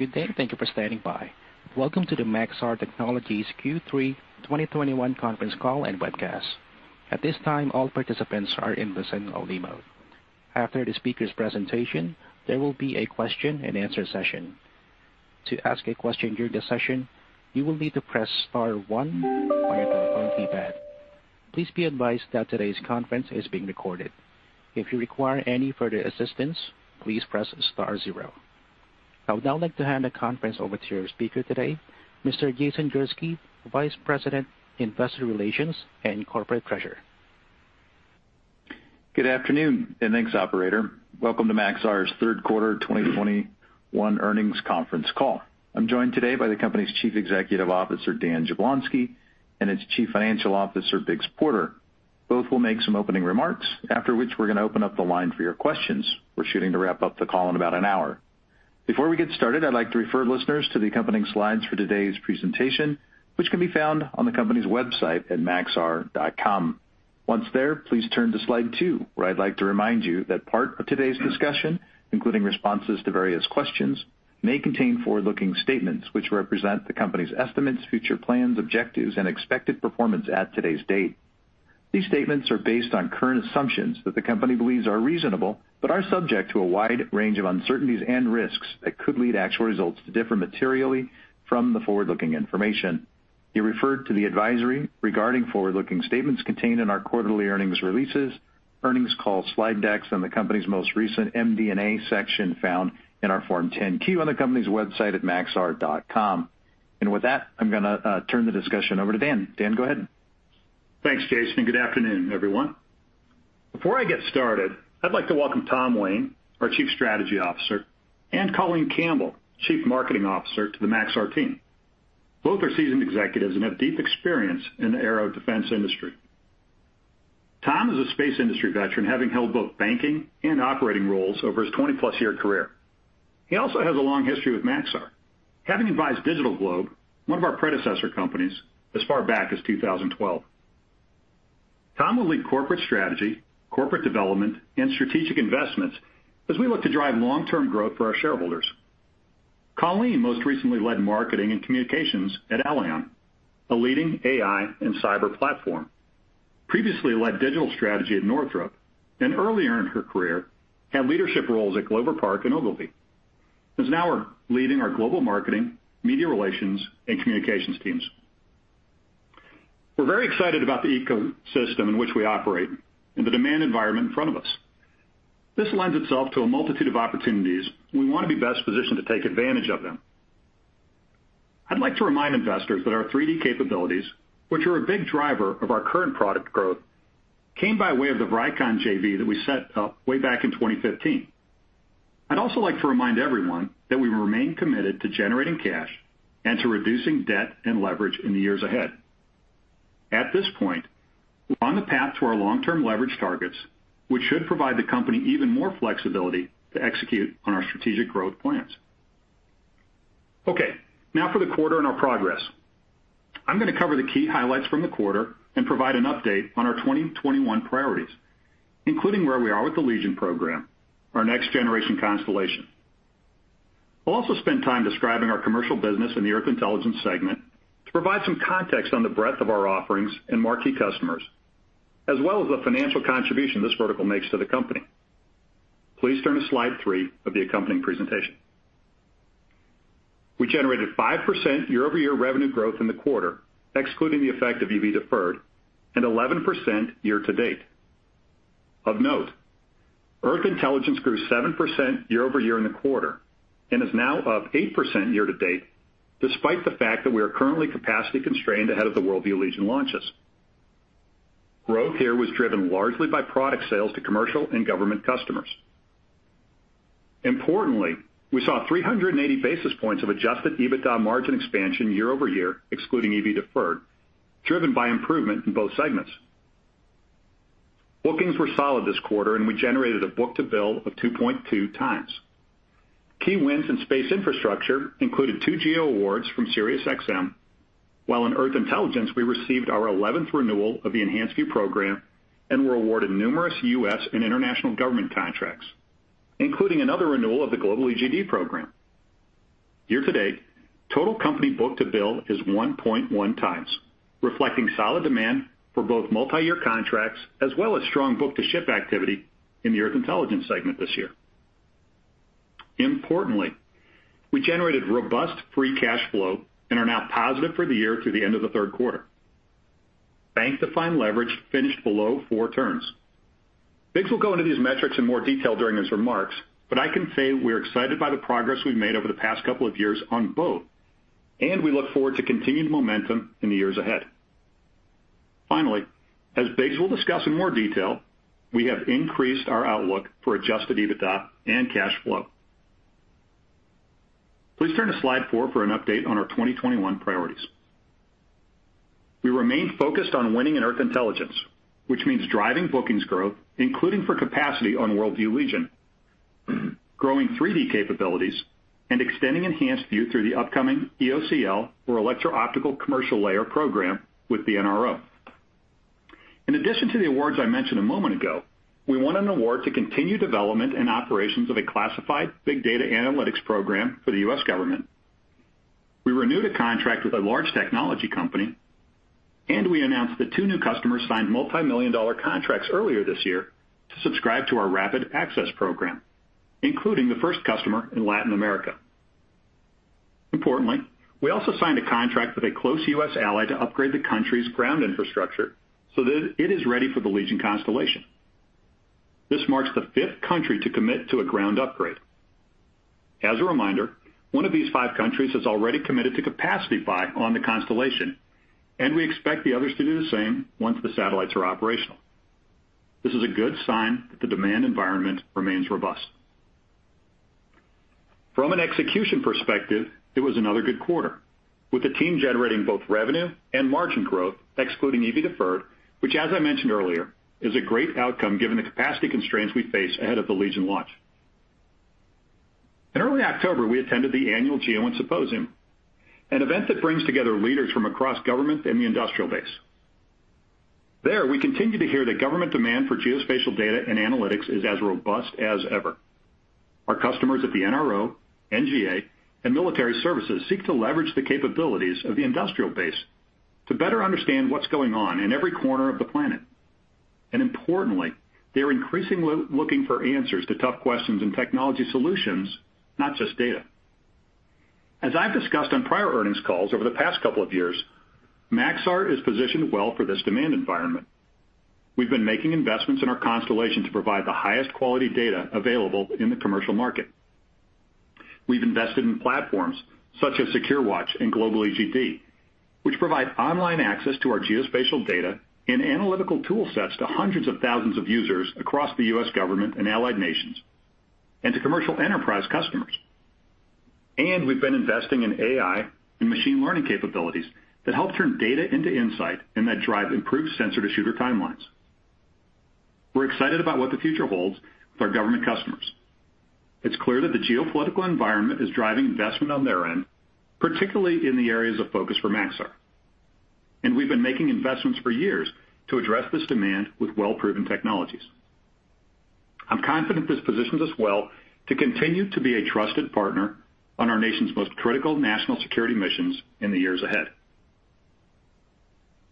Good day. Thank you for standing by. Welcome to the Maxar Technologies Q3 2021 conference call and webcast. At this time, all participants are in listen-only mode. After the speaker's presentation, there will be a question-and-answer session. To ask a question during the session, you will need to press star one on your telephone keypad. Please be advised that today's conference is being recorded. If you require any further assistance, please press star zero. I would now like to hand the conference over to your speaker today, Mr. Jason Gursky, Vice President, Investor Relations and Corporate Treasurer. Good afternoon, and thanks, operator. Welcome to Maxar's third quarter 2021 earnings conference call. I'm joined today by the company's Chief Executive Officer, Dan Jablonsky, and its Chief Financial Officer, Biggs Porter. Both will make some opening remarks, after which we're gonna open up the line for your questions. We're shooting to wrap up the call in about an hour. Before we get started, I'd like to refer listeners to the accompanying slides for today's presentation, which can be found on the company's website at maxar.com. Once there, please turn to slide two, where I'd like to remind you that part of today's discussion, including responses to various questions, may contain forward-looking statements which represent the company's estimates, future plans, objectives, and expected performance at today's date. These statements are based on current assumptions that the company believes are reasonable but are subject to a wide range of uncertainties and risks that could lead actual results to differ materially from the forward-looking information. You're referred to the advisory regarding forward-looking statements contained in our quarterly earnings releases, earnings call slide decks, and the company's most recent MD&A section found in our Form 10-Q on the company's website at maxar.com. With that, I'm gonna turn the discussion over to Dan. Dan, go ahead. Thanks, Jason, and good afternoon, everyone. Before I get started, I'd like to welcome Tom Whayne, our Chief Strategy Officer, and Colleen Campbell, Chief Marketing Officer, to the Maxar team. Both are seasoned executives and have deep experience in the aero-defense industry. Tom is a space industry veteran, having held both banking and operating roles over his 20+ year career. He also has a long history with Maxar, having advised DigitalGlobe, one of our predecessor companies, as far back as 2012. Tom will lead corporate strategy, corporate development, and strategic investments as we look to drive long-term growth for our shareholders. Colleen most recently led marketing and communications at Alion, a leading AI and cyber platform, previously led digital strategy at Northrop, and earlier in her career had leadership roles at Glover Park and Ogilvy and is now leading our global marketing, media relations, and communications teams. We're very excited about the ecosystem in which we operate and the demand environment in front of us. This lends itself to a multitude of opportunities. We wanna be best positioned to take advantage of them. I'd like to remind investors that our 3D capabilities, which are a big driver of our current product growth, came by way of the Vricon JV that we set up way back in 2015. I'd also like to remind everyone that we remain committed to generating cash and to reducing debt and leverage in the years ahead. At this point, we're on the path to our long-term leverage targets, which should provide the company even more flexibility to execute on our strategic growth plans. Okay, now for the quarter and our progress. I'm gonna cover the key highlights from the quarter and provide an update on our 2021 priorities, including where we are with the Legion program, our next-generation constellation. I'll also spend time describing our commercial business in the Earth Intelligence segment to provide some context on the breadth of our offerings and marquee customers, as well as the financial contribution this vertical makes to the company. Please turn to slide three of the accompanying presentation. We generated 5% year-over-year revenue growth in the quarter, excluding the effect of EV deferred, and 11% year-to-date. Of note, Earth Intelligence grew 7% year-over-year in the quarter and is now up 8% year-to-date, despite the fact that we are currently capacity constrained ahead of the WorldView Legion launches. Growth here was driven largely by product sales to commercial and government customers. Importantly, we saw 380 basis points of adjusted EBITDA margin expansion year-over-year, excluding EV deferred, driven by improvement in both segments. Bookings were solid this quarter, and we generated a book-to-bill of 2.2x. Key wins in Space Infrastructure included two GEO awards from SiriusXM, while in Earth Intelligence, we received our 11th renewal of the EnhancedView program and were awarded numerous U.S. and international government contracts, including another renewal of the Global EGD program. Year-to-date, total company book-to-bill is 1.1x, reflecting solid demand for both multiyear contracts as well as strong book-to-ship activity in the Earth Intelligence segment this year. Importantly, we generated robust free cash flow and are now positive for the year through the end of the third quarter. Bank-defined leverage finished below four turns. Biggs will go into these metrics in more detail during his remarks, but I can say we're excited by the progress we've made over the past couple of years on both, and we look forward to continued momentum in the years ahead. Finally, as Biggs will discuss in more detail, we have increased our outlook for adjusted EBITDA and cash flow. Please turn to slide four for an update on our 2021 priorities. We remain focused on winning in Earth Intelligence, which means driving bookings growth, including for capacity on WorldView Legion, growing 3D capabilities, and extending EnhancedView through the upcoming EOCL or Electro-Optical Commercial Layer program with the NRO. In addition to the awards I mentioned a moment ago, we won an award to continue development and operations of a classified big data analytics program for the U.S. government. We renewed a contract with a large technology company, and we announced that two new customers signed multi-million-dollar contracts earlier this year to subscribe to our Rapid Access Program, including the first customer in Latin America. Importantly, we also signed a contract with a close U.S. ally to upgrade the country's ground infrastructure so that it is ready for the Legion constellation. This marks the fifth country to commit to a ground upgrade. As a reminder, one of these five countries has already committed to capacity buy on the constellation, and we expect the others to do the same once the satellites are operational. This is a good sign that the demand environment remains robust. From an execution perspective, it was another good quarter, with the team generating both revenue and margin growth, excluding EV deferred, which as I mentioned earlier, is a great outcome given the capacity constraints we face ahead of the Legion launch. In early October, we attended the annual GEOINT Symposium, an event that brings together leaders from across government and the industrial base. There, we continued to hear that government demand for geospatial data and analytics is as robust as ever. Our customers at the NRO, NGA, and military services seek to leverage the capabilities of the industrial base to better understand what's going on in every corner of the planet. Importantly, they are increasingly looking for answers to tough questions and technology solutions, not just data. As I've discussed on prior earnings calls over the past couple of years, Maxar is positioned well for this demand environment. We've been making investments in our constellation to provide the highest quality data available in the commercial market. We've invested in platforms such as SecureWatch and Global EGD, which provide online access to our geospatial data and analytical tool sets to hundreds of thousands of users across the U.S. government and allied nations, and to commercial enterprise customers. We've been investing in AI and machine learning capabilities that help turn data into insight and that drive improved sensor-to-shooter timelines. We're excited about what the future holds with our government customers. It's clear that the geopolitical environment is driving investment on their end, particularly in the areas of focus for Maxar. We've been making investments for years to address this demand with well-proven technologies. I'm confident this positions us well to continue to be a trusted partner on our nation's most critical national security missions in the years ahead.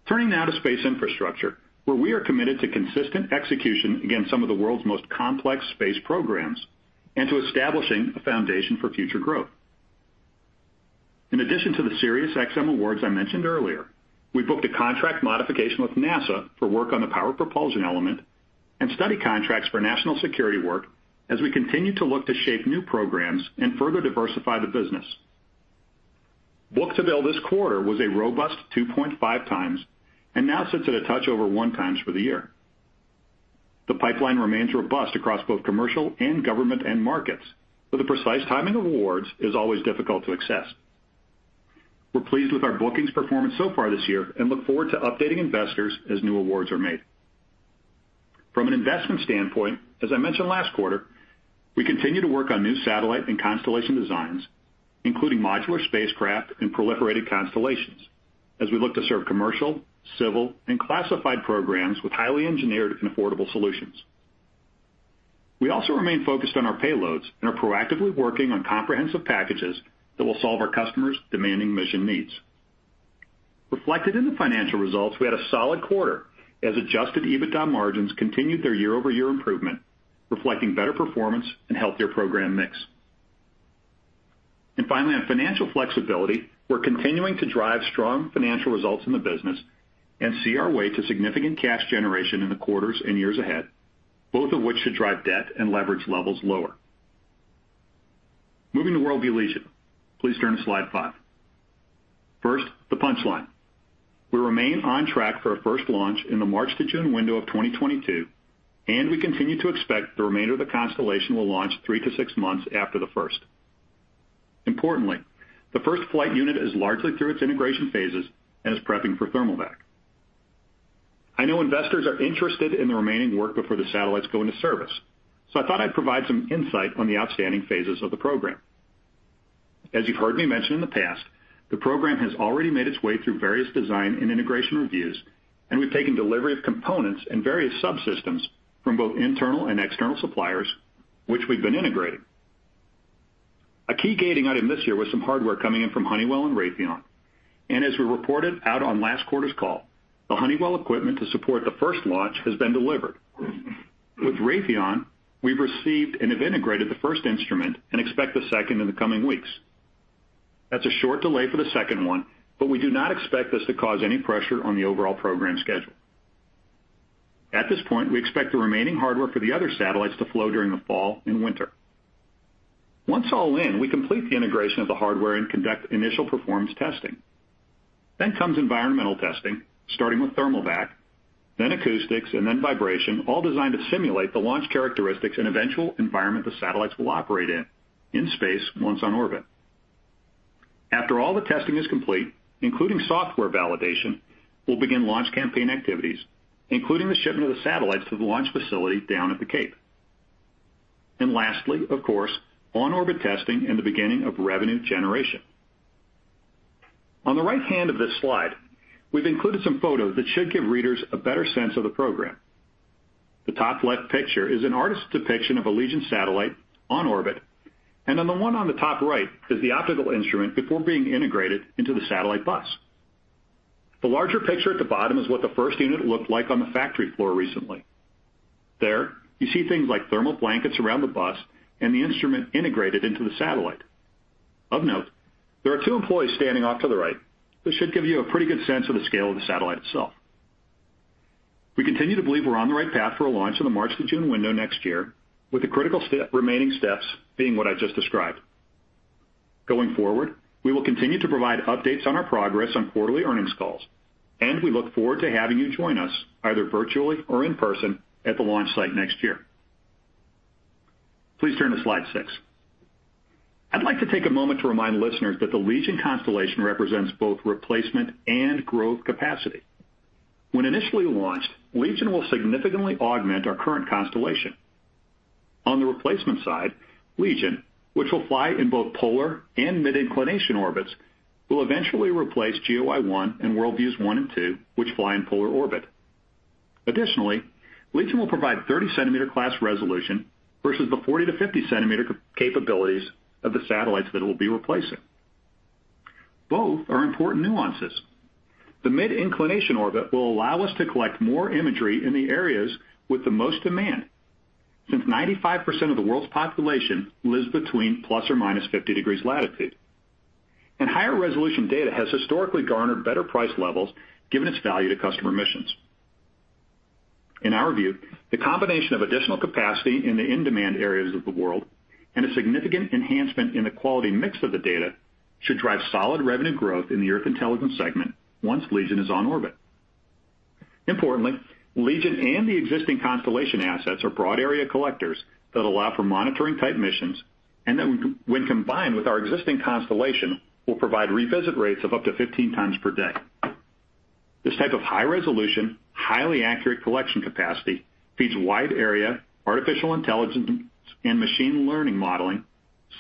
Turning now to Space Infrastructure, where we are committed to consistent execution against some of the world's most complex space programs, and to establishing a foundation for future growth. In addition to the SiriusXM awards I mentioned earlier, we booked a contract modification with NASA for work on the power propulsion element and study contracts for national security work as we continue to look to shape new programs and further diversify the business. Book-to-bill this quarter was a robust 2.5x, and now sits at a touch over 1x for the year. The pipeline remains robust across both commercial and government end markets, but the precise timing of awards is always difficult to assess. We're pleased with our bookings performance so far this year and look forward to updating investors as new awards are made. From an investment standpoint, as I mentioned last quarter, we continue to work on new satellite and constellation designs, including modular spacecraft and proliferated constellations, as we look to serve commercial, civil, and classified programs with highly engineered and affordable solutions. We also remain focused on our payloads and are proactively working on comprehensive packages that will solve our customers' demanding mission needs. Reflected in the financial results, we had a solid quarter as adjusted EBITDA margins continued their year-over-year improvement, reflecting better performance and healthier program mix. Finally, on financial flexibility, we're continuing to drive strong financial results in the business and see our way to significant cash generation in the quarters and years ahead, both of which should drive debt and leverage levels lower. Moving to WorldView Legion. Please turn to slide five. First, the punchline. We remain on track for a first launch in the March-June window of 2022, and we continue to expect the remainder of the constellation will launch three to six months after the first. Importantly, the first flight unit is largely through its integration phases and is prepping for thermal vac. I know investors are interested in the remaining work before the satellites go into service, so I thought I'd provide some insight on the outstanding phases of the program. As you've heard me mention in the past, the program has already made its way through various design and integration reviews, and we've taken delivery of components and various subsystems from both internal and external suppliers, which we've been integrating. A key gating item this year was some hardware coming in from Honeywell and Raytheon. As we reported out on last quarter's call, the Honeywell equipment to support the first launch has been delivered. With Raytheon, we've received and have integrated the first instrument and expect the second in the coming weeks. That's a short delay for the second one, but we do not expect this to cause any pressure on the overall program schedule. At this point, we expect the remaining hardware for the other satellites to flow during the fall and winter. Once all in, we complete the integration of the hardware and conduct initial performance testing. Then comes environmental testing, starting with thermal vac, then acoustics, and then vibration, all designed to simulate the launch characteristics and eventual environment the satellites will operate in space once on orbit. After all the testing is complete, including software validation, we'll begin launch campaign activities, including the shipment of the satellites to the launch facility down at the Cape. Lastly, of course, on-orbit testing and the beginning of revenue generation. On the right hand of this slide, we've included some photos that should give readers a better sense of the program. The top left picture is an artist's depiction of a Legion satellite on orbit, and on the one on the top right is the optical instrument before being integrated into the satellite bus. The larger picture at the bottom is what the first unit looked like on the factory floor recently. There, you see things like thermal blankets around the bus and the instrument integrated into the satellite. Of note, there are two employees standing off to the right. This should give you a pretty good sense of the scale of the satellite itself. We continue to believe we're on the right path for a launch in the March-June window next year, with the critical step, remaining steps being what I just described. Going forward, we will continue to provide updates on our progress on quarterly earnings calls, and we look forward to having you join us either virtually or in person at the launch site next year. Please turn to slide six. I'd like to take a moment to remind listeners that the Legion constellation represents both replacement and growth capacity. When initially launched, Legion will significantly augment our current constellation. On the replacement side, Legion, which will fly in both polar and mid-inclination orbits, will eventually replace GeoEye-1 and WorldView-1 and WorldView-2, which fly in polar orbit. Additionally, WorldView Legion will provide 30cm class resolution versus the 40cm-50cm capabilities of the satellites that it will be replacing. Both are important nuances. The mid-inclination orbit will allow us to collect more imagery in the areas with the most demand, since 95% of the world's population lives between ±50 degrees latitude. Higher resolution data has historically garnered better price levels given its value to customer missions. In our view, the combination of additional capacity in the in-demand areas of the world and a significant enhancement in the quality mix of the data should drive solid revenue growth in the Earth Intelligence segment once Legion is on orbit. Importantly, Legion and the existing constellation assets are broad area collectors that allow for monitoring type missions, and then when combined with our existing constellation, will provide revisit rates of up to 15x per day. This type of high resolution, highly accurate collection capacity feeds wide area artificial intelligence and machine learning modeling,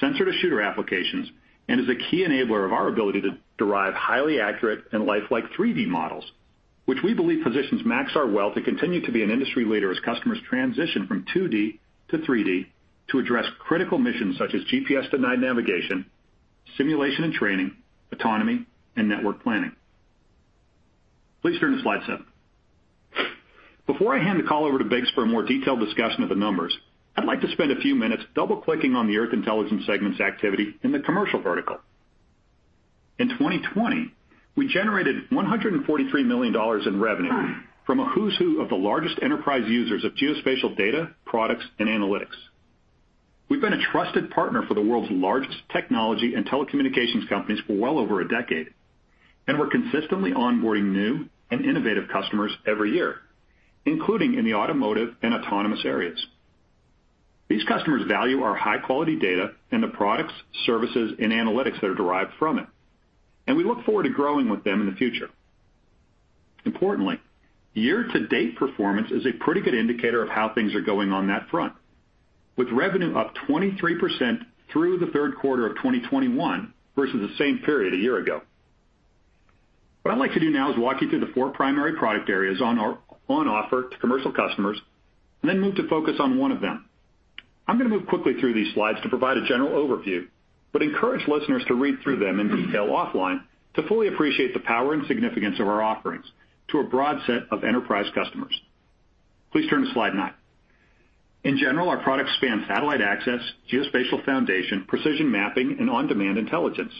sensor-to-shooter applications, and is a key enabler of our ability to derive highly accurate and lifelike 3D models, which we believe positions Maxar well to continue to be an industry leader as customers transition from 2D to 3D to address critical missions such as GPS-denied navigation, simulation and training, autonomy, and network planning. Please turn to slide seven. Before I hand the call over to Biggs for a more detailed discussion of the numbers, I'd like to spend a few minutes double-clicking on the Earth Intelligence segment's activity in the commercial vertical. In 2020, we generated $143 million in revenue from a who's who of the largest enterprise users of geospatial data, products, and analytics. We've been a trusted partner for the world's largest technology and telecommunications companies for well over a decade, and we're consistently onboarding new and innovative customers every year, including in the automotive and autonomous areas. These customers value our high-quality data and the products, services, and analytics that are derived from it, and we look forward to growing with them in the future. Importantly, year-to-date performance is a pretty good indicator of how things are going on that front, with revenue up 23% through the third quarter of 2021 versus the same period a year ago. What I'd like to do now is walk you through the four primary product areas on offer to commercial customers and then move to focus on one of them. I'm gonna move quickly through these slides to provide a general overview, but encourage listeners to read through them in detail offline to fully appreciate the power and significance of our offerings to a broad set of enterprise customers. Please turn to slide nine. In general, our products span satellite access, geospatial foundation, precision mapping, and on-demand intelligence.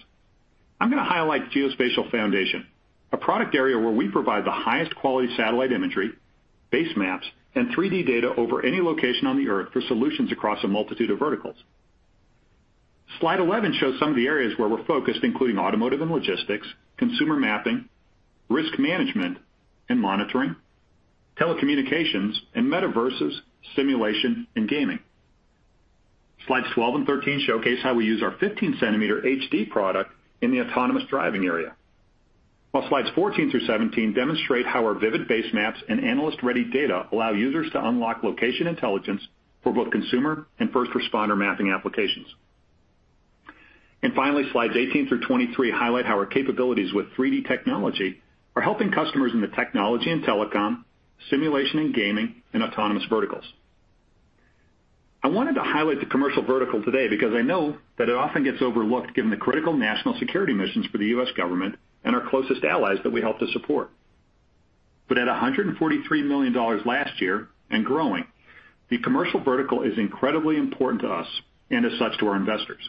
I'm gonna highlight geospatial foundation, a product area where we provide the highest quality satellite imagery, base maps, and 3D data over any location on the earth for solutions across a multitude of verticals. Slide 11 shows some of the areas where we're focused, including automotive and logistics, consumer mapping, risk management and monitoring, telecommunications, and metaverses, simulation, and gaming. Slides 12 and 13 showcase how we use our 15-cm HD product in the autonomous driving area. While slides 14 through 17 demonstrate how our Vivid base maps and analyst-ready data allow users to unlock location intelligence for both consumer and first responder mapping applications. Finally, slides 18 through 23 highlight how our capabilities with 3D technology are helping customers in the technology and telecom, simulation and gaming, and autonomous verticals. I wanted to highlight the commercial vertical today because I know that it often gets overlooked given the critical national security missions for the U.S. government and our closest allies that we help to support. At $143 million last year and growing, the commercial vertical is incredibly important to us and as such to our investors.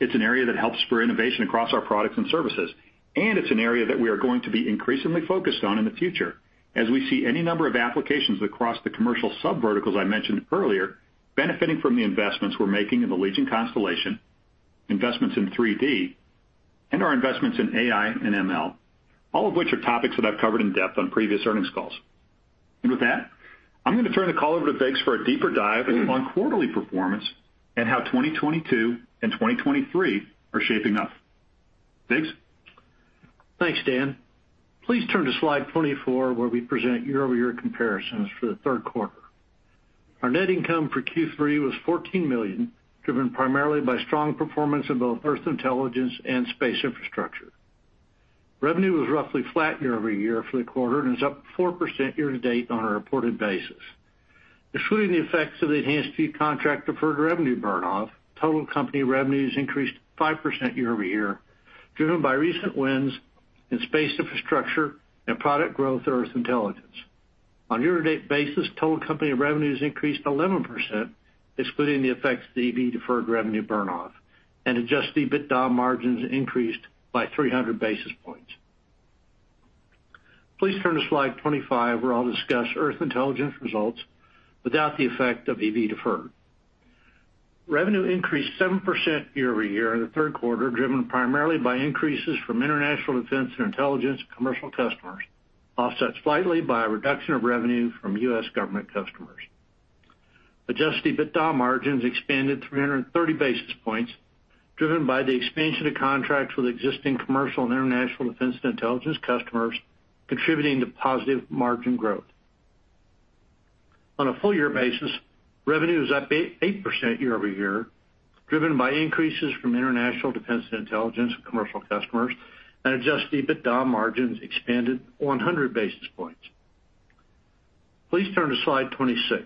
It's an area that helps spur innovation across our products and services, and it's an area that we are going to be increasingly focused on in the future, as we see any number of applications across the commercial sub-verticals I mentioned earlier benefiting from the investments we're making in the Legion constellation, investments in 3D, and our investments in AI and ML, all of which are topics that I've covered in depth on previous earnings calls. With that, I'm gonna turn the call over to Biggs for a deeper dive on quarterly performance and how 2022 and 2023 are shaping up. Biggs? Thanks, Dan. Please turn to slide 24, where we present year-over-year comparisons for the third quarter. Our net income for Q3 was $14 million, driven primarily by strong performance in both Earth Intelligence and Space Infrastructure. Revenue was roughly flat year-over-year for the quarter and is up 4% year-to-date on a reported basis. Excluding the effects of the EnhancedView contract deferred revenue burn off, total company revenues increased 5% year-over-year, driven by recent wins in Space Infrastructure and product growth in Earth Intelligence. On year-to-date basis, total company revenues increased 11% excluding the effects of EV deferred revenue burn off and adjusted EBITDA margins increased by 300 basis points. Please turn to slide 25, where I'll discuss Earth Intelligence results without the effect of EV deferred. Revenue increased 7% year-over-year in the third quarter, driven primarily by increases from international defense and intelligence commercial customers, offset slightly by a reduction of revenue from U.S. government customers. Adjusted EBITDA margins expanded 330 basis points, driven by the expansion of contracts with existing commercial and international defense and intelligence customers, contributing to positive margin growth. On a full-year basis, revenue is up 8% year-over-year, driven by increases from international defense and intelligence commercial customers and adjusted EBITDA margins expanded 100 basis points. Please turn to slide 26.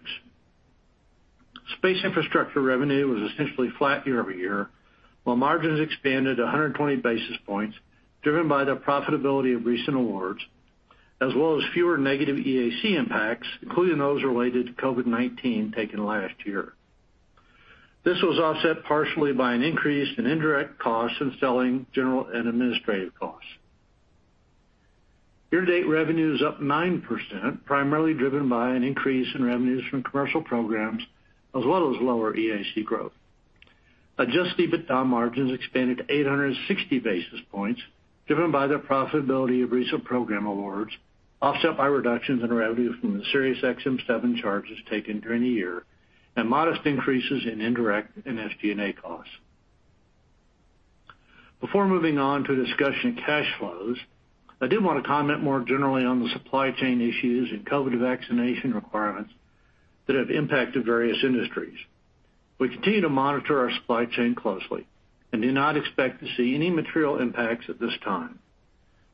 Space Infrastructure revenue was essentially flat year-over-year, while margins expanded 120 basis points, driven by the profitability of recent awards as well as fewer negative EAC impacts, including those related to COVID-19 taken last year. This was offset partially by an increase in indirect costs in selling, general, and administrative costs. Year-to-date revenue is up 9%, primarily driven by an increase in revenues from commercial programs as well as lower EAC growth. Adjusted EBITDA margins expanded to 860 basis points driven by the profitability of recent program awards, offset by reductions in revenue from the SiriusXM-7 charges taken during the year and modest increases in indirect and SG&A costs. Before moving on to a discussion of cash flows, I did wanna comment more generally on the supply chain issues and COVID-19 vaccination requirements that have impacted various industries. We continue to monitor our supply chain closely and do not expect to see any material impacts at this time.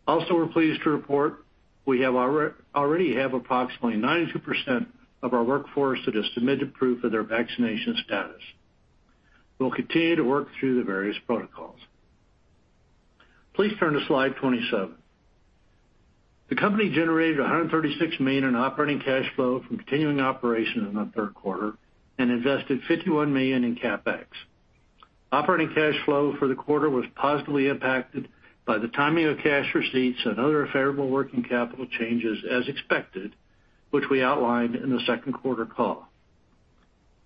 Also, we're pleased to report we already have approximately 92% of our workforce that has submitted proof of their vaccination status. We'll continue to work through the various protocols. Please turn to slide 27. The company generated $136 million in operating cash flow from continuing operations in the third quarter and invested $51 million in CapEx. Operating cash flow for the quarter was positively impacted by the timing of cash receipts and other favorable working capital changes as expected, which we outlined in the second quarter call.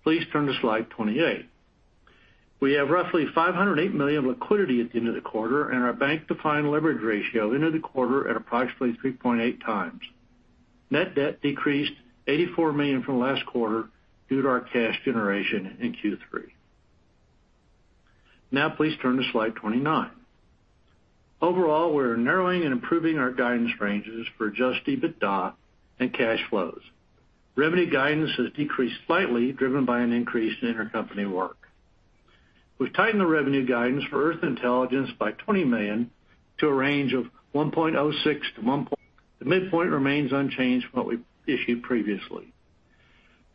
Please turn to slide 28. We have roughly $508 million of liquidity at the end of the quarter and our bank defined leverage ratio into the quarter at approximately 3.8x. Net debt decreased $84 million from last quarter due to our cash generation in Q3. Now please turn to slide 29. Overall, we're narrowing and improving our guidance ranges for adjusted EBITDA and cash flows. Revenue guidance has decreased slightly, driven by an increase in intercompany work. We've tightened the revenue guidance for Earth Intelligence by $20 million to a range of $1.06 billion-. The midpoint remains unchanged from what we issued previously.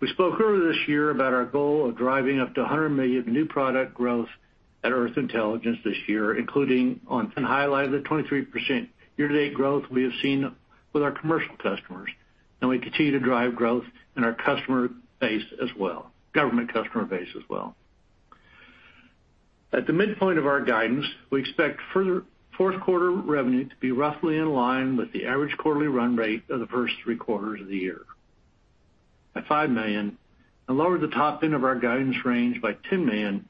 We spoke earlier this year about our goal of driving up to $100 million of new product growth at Earth Intelligence this year, including on-demand, and to highlight the 23% year-to-date growth we have seen with our commercial customers, and we continue to drive growth in our customer base as well as government customer base. At the midpoint of our guidance, we expect fourth quarter revenue to be roughly in line with the average quarterly run rate of the first three quarters of the year at $5 million and lower the top-end of our guidance range by $10 million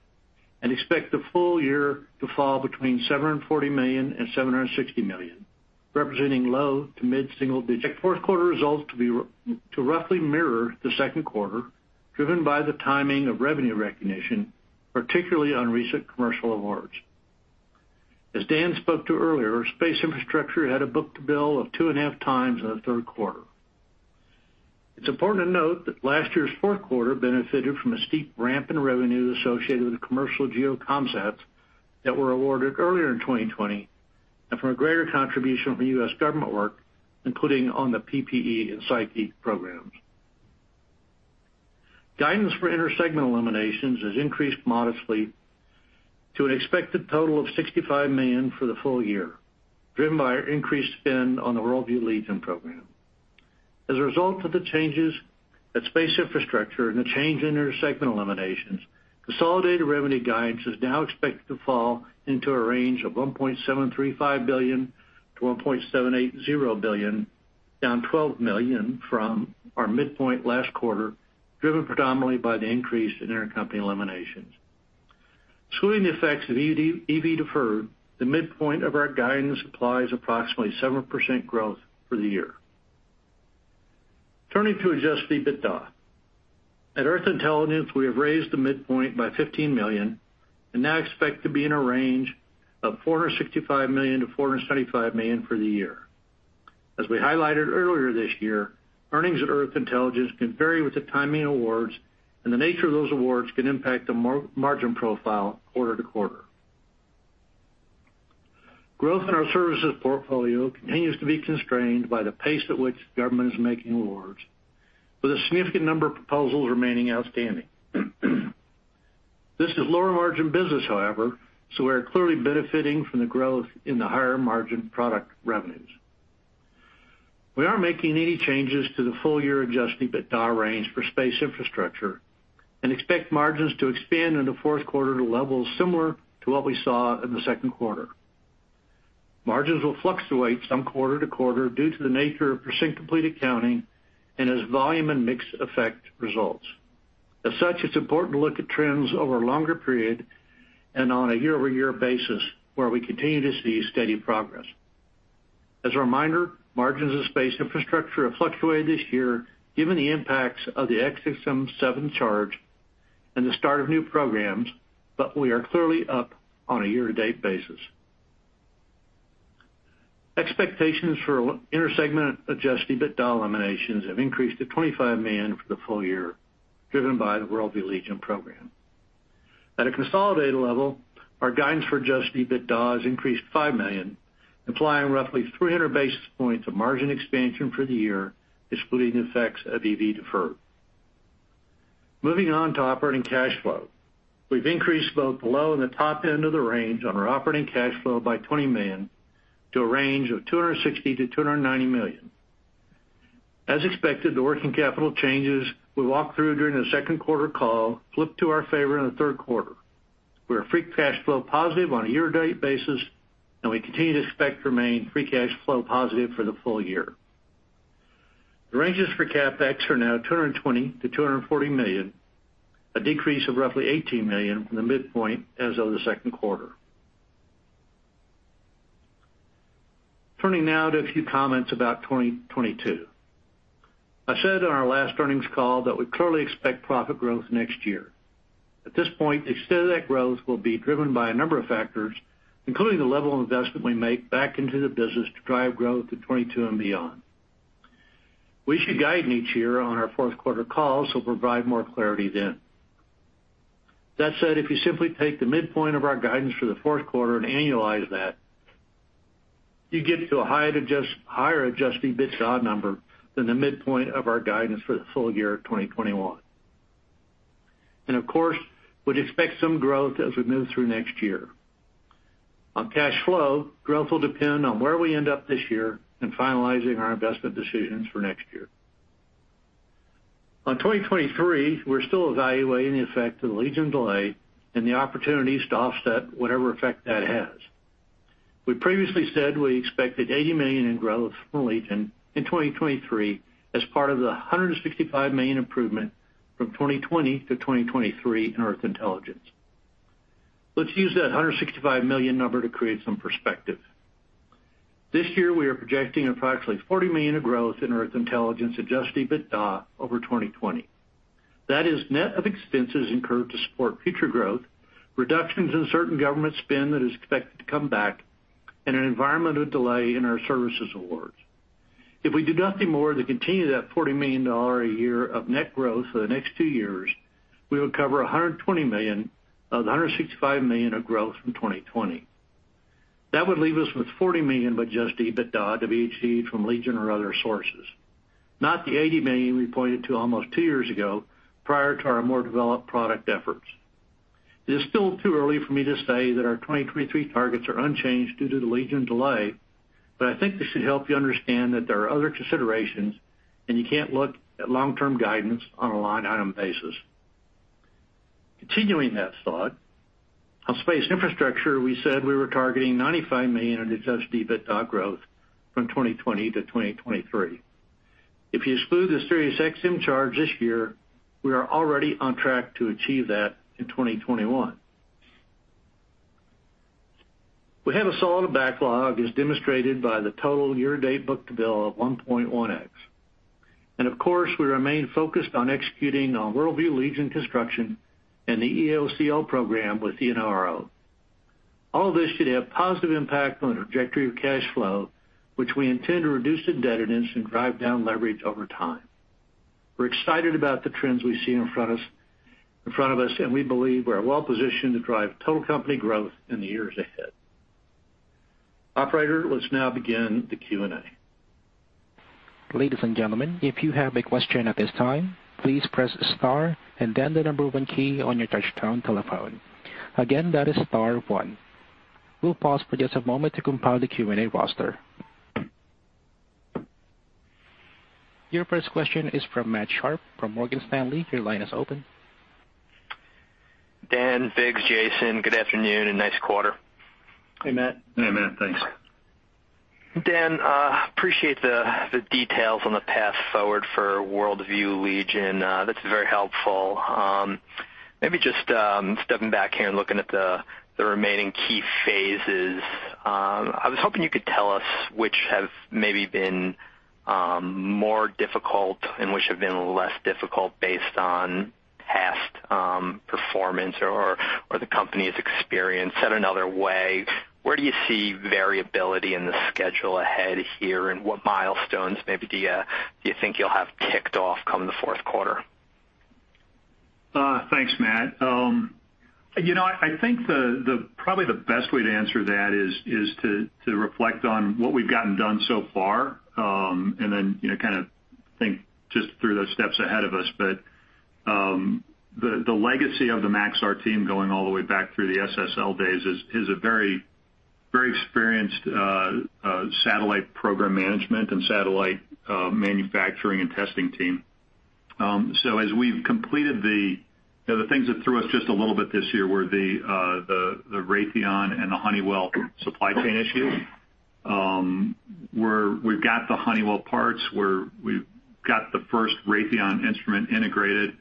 and expect the full year to fall between $740 million and $760 million, representing low to mid-single-digits. Expect fourth quarter results to be roughly mirror the second quarter, driven by the timing of revenue recognition, particularly on recent commercial awards. As Dan spoke to earlier, Space Infrastructure had a book-to-bill of 2.5x in the third quarter. It's important to note that last year's fourth quarter benefited from a steep ramp in revenues associated with commercial GEO com sats that were awarded earlier in 2020 and from a greater contribution from U.S. government work, including on the PPE and Psyche programs. Guidance for intersegment eliminations has increased modestly to an expected total of $65 million for the full year, driven by increased spend on the WorldView Legion program. As a result of the changes at Space Infrastructure and a change in intersegment eliminations, consolidated revenue guidance is now expected to fall into a range of $1.735 billion-$1.780 billion, down $12 million from our midpoint last quarter, driven predominantly by the increase in intercompany eliminations. Excluding the effects of EV deferred, the midpoint of our guidance applies approximately 7% growth for the year. Turning to adjusted EBITDA. At Earth Intelligence, we have raised the midpoint by $15 million and now expect to be in a range of $465 million-$475 million for the year. As we highlighted earlier this year, earnings at Earth Intelligence can vary with the timing of awards, and the nature of those awards can impact the margin profile quarter-to-quarter. Growth in our services portfolio continues to be constrained by the pace at which government is making awards, with a significant number of proposals remaining outstanding. This is lower margin business, however, so we're clearly benefiting from the growth in the higher margin product revenues. We aren't making any changes to the full-year adjusted EBITDA range for Space Infrastructure and expect margins to expand in the fourth quarter to levels similar to what we saw in the second quarter. Margins will fluctuate from quarter-to-quarter due to the nature of % complete accounting and as volume and mix affect results. As such, it's important to look at trends over a longer period and on a year-over-year basis where we continue to see steady progress. As a reminder, margins in Space Infrastructure have fluctuated this year given the impacts of the SXM-7 charge and the start of new programs, but we are clearly up on a year-to-date basis. Expectations for inter-segment adjusted EBITDA eliminations have increased to $25 million for the full year, driven by the WorldView Legion program. At a consolidated level, our guidance for adjusted EBITDA is increased $5 million, implying roughly 300 basis points of margin expansion for the year, excluding the effects of EV deferred. Moving on to operating cash flow. We've increased both the low and the top end of the range on our operating cash flow by $20 million to a range of $260 million-$290 million. As expected, the working capital changes we walked through during the second quarter call flipped to our favor in the third quarter. We are free cash flow positive on a year-to-date basis, and we continue to expect to remain free cash flow positive for the full year. The ranges for CapEx are now $220 million-$240 million, a decrease of roughly $18 million from the midpoint as of the second quarter. Turning now to a few comments about 2022. I said on our last earnings call that we clearly expect profit growth next year. At this point, the extent of that growth will be driven by a number of factors, including the level of investment we make back into the business to drive growth in 2022 and beyond. We should guide each year on our fourth quarter call, so we'll provide more clarity then. That said, if you simply take the midpoint of our guidance for the fourth quarter and annualize that, you get to a higher adjusted EBITDA number than the midpoint of our guidance for the full year of 2021. Of course, we'd expect some growth as we move through next year. On cash flow, growth will depend on where we end up this year in finalizing our investment decisions for next year. On 2023, we're still evaluating the effect of the Legion delay and the opportunities to offset whatever effect that has. We previously said we expected $80 million in growth from Legion in 2023 as part of the $165 million improvement from 2020 to 2023 in Earth Intelligence. Let's use that $165 million number to create some perspective. This year, we are projecting approximately $40 million of growth in Earth Intelligence adjusted EBITDA over 2020. That is net of expenses incurred to support future growth, reductions in certain government spend that is expected to come back, and an environmental delay in our services awards. If we do nothing more than continue that $40 million a year of net growth for the next two years, we will cover $120 million of the $165 million of growth from 2020. That would leave us with $40 million of adjusted EBITDA to be achieved from Legion or other sources, not the $80 million we pointed to almost two years ago prior to our more developed product efforts. It is still too early for me to say that our 2023 targets are unchanged due to the Legion delay, but I think this should help you understand that there are other considerations, and you can't look at long-term guidance on a line item basis. Continuing that thought, on Space Infrastructure, we said we were targeting $95 million in adjusted EBITDA growth from 2020 to 2023. If you exclude the SiriusXM charge this year, we are already on track to achieve that in 2021. We have a solid backlog as demonstrated by the total year-to-date book-to-bill of 1.1x. Of course, we remain focused on executing on WorldView Legion construction and the EOCL program with the NRO. All of this should have positive impact on the trajectory of cash flow, which we intend to reduce indebtedness and drive down leverage over time. We're excited about the trends we see in front of us, and we believe we're well positioned to drive total company growth in the years ahead. Operator, let's now begin the Q&A. Ladies and gentlemen, if you have a question at this time, please press star and then the number one key on your touchtone telephone. Again, that is star one. We'll pause for just a moment to compile the Q&A roster. Your first question is from Matt Sharpe from Morgan Stanley. Your line is open. Dan, Biggs, Jason, good afternoon, and nice quarter. Hey, Matt. Hey, Matt. Thanks. Dan, appreciate the details on the path forward for WorldView Legion. That's very helpful. Maybe just stepping back here and looking at the remaining key phases, I was hoping you could tell us which have maybe been... More difficult and which have been less difficult based on past performance or the company's experience. Said another way, where do you see variability in the schedule ahead here? What milestones maybe do you think you'll have kicked off come the fourth quarter? Thanks, Matt. You know, I think probably the best way to answer that is to reflect on what we've gotten done so far, and then, you know, kind of think just through those steps ahead of us. The legacy of the Maxar team going all the way back through the SSL days is a very experienced satellite program management and satellite manufacturing and testing team. You know, the things that threw us just a little bit this year were the Raytheon and the Honeywell supply chain issue. We've got the Honeywell parts. We've got the first Raytheon instrument integrated,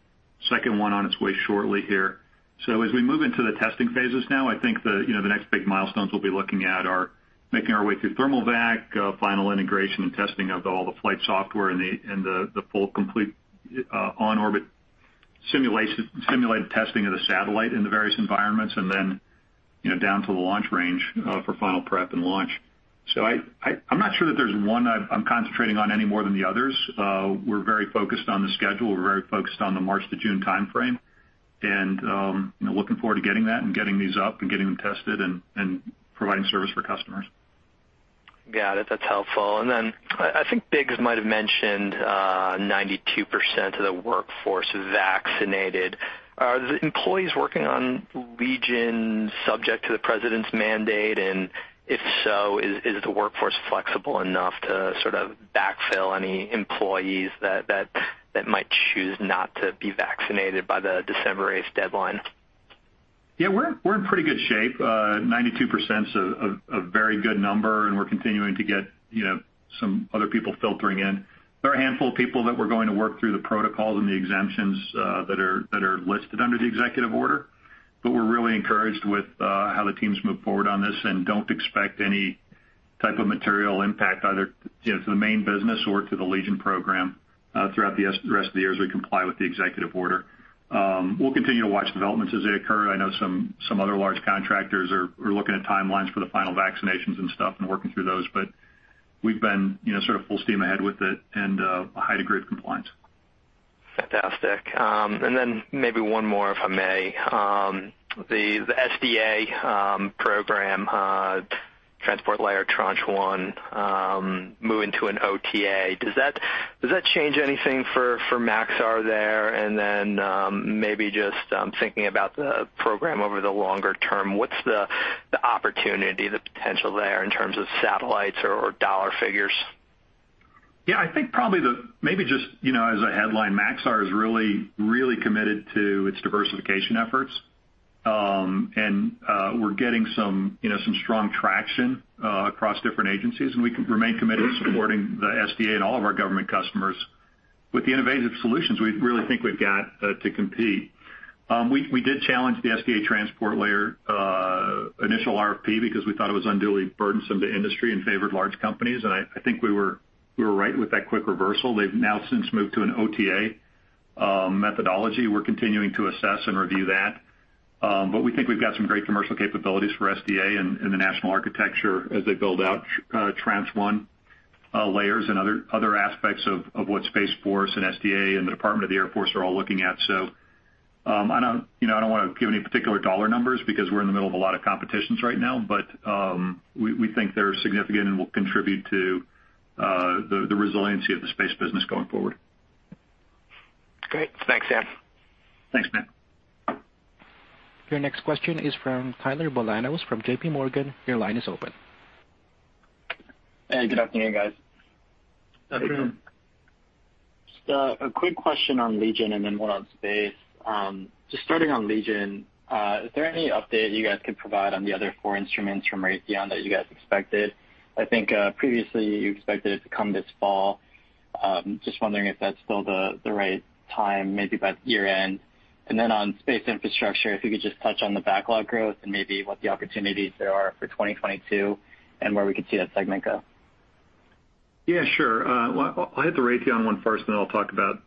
second one on its way shortly here. As we move into the testing phases now, I think you know the next big milestones we'll be looking at are making our way through thermal vac, final integration and testing of all the flight software and the full, complete, simulated testing of the satellite in the various environments and then you know down to the launch range for final prep and launch. I'm not sure that there's one I'm concentrating on any more than the others. We're very focused on the schedule. We're very focused on the March-June timeframe. You know, looking forward to getting that and getting these up and getting them tested and providing service for customers. Got it. That's helpful. I think Biggs might have mentioned 92% of the workforce is vaccinated. Are the employees working on Legion subject to the president's mandate? If so, is the workforce flexible enough to sort of backfill any employees that might choose not to be vaccinated by the December 8th deadline? Yeah. We're in pretty good shape. 92%'s a very good number, and we're continuing to get, you know, some other people filtering in. There are a handful of people that we're going to work through the protocols and the exemptions that are listed under the executive order. We're really encouraged with how the team's moved forward on this and don't expect any type of material impact either, you know, to the main business or to the Legion program throughout the rest of the year as we comply with the executive order. We'll continue to watch developments as they occur. I know some other large contractors are looking at timelines for the final vaccinations and stuff and working through those. We've been, you know, sort of full steam ahead with it and a high degree of compliance. Fantastic. Maybe one more, if I may. The SDA program, Transport Layer Tranche 1, move into an OTA. Does that change anything for Maxar there? Maybe just thinking about the program over the longer term, what's the opportunity, the potential there in terms of satellites or dollar figures? Yeah. I think probably maybe just, you know, as a headline, Maxar is really, really committed to its diversification efforts. We're getting some, you know, some strong traction across different agencies, and we remain committed to supporting the SDA and all of our government customers with the innovative solutions we really think we've got to compete. We did challenge the SDA Transport Layer initial RFP because we thought it was unduly burdensome to industry and favored large companies. I think we were right with that quick reversal. They've now since moved to an OTA methodology. We're continuing to assess and review that. We think we've got some great commercial capabilities for SDA and the national architecture as they build out Tranche 1 layers and other aspects of what Space Force and SDA and the Department of the Air Force are all looking at. You know, I don't wanna give any particular dollar numbers because we're in the middle of a lot of competitions right now, but we think they're significant and will contribute to the resiliency of the space business going forward. Great. Thanks, Dan. Thanks, Matt. Your next question is from Tyler Bolanos from JPMorgan. Your line is open. Hey, good afternoon, guys. Afternoon. Just a quick question on Legion and then one on space. Just starting on Legion, is there any update you guys could provide on the other four instruments from Raytheon that you guys expected? I think, previously you expected it to come this fall. Just wondering if that's still the right time, maybe by year-end. On Space Infrastructure, if you could just touch on the backlog growth and maybe what the opportunities there are for 2022 and where we could see that segment go. Yeah, sure. I'll hit the Raytheon one first, and then I'll talk about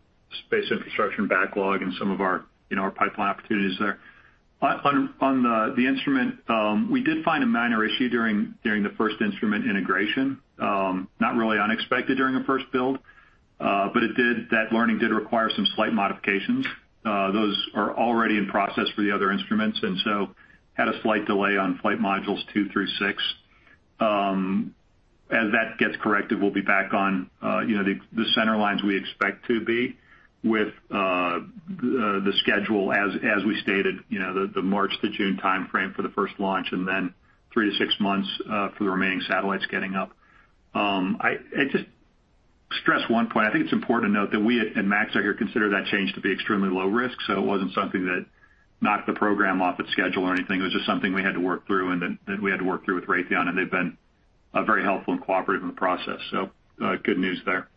Space Infrastructure and backlog and some of our, you know, our pipeline opportunities there. On the instrument, we did find a minor issue during the first instrument integration. Not really unexpected during a first build, but that learning did require some slight modifications. Those are already in process for the other instruments, and so had a slight delay on flight modules two through six. As that gets corrected, we'll be back on, you know, the center lines we expect to be with the schedule as we stated, you know, the March-June timeframe for the first launch, and then three to six months for the remaining satellites getting up. I just stress one point. I think it's important to note that we at Maxar here consider that change to be extremely low risk, so it wasn't something that knocked the program off its schedule or anything. It was just something we had to work through and that we had to work through with Raytheon, and they've been very helpful and cooperative in the process. Good news there.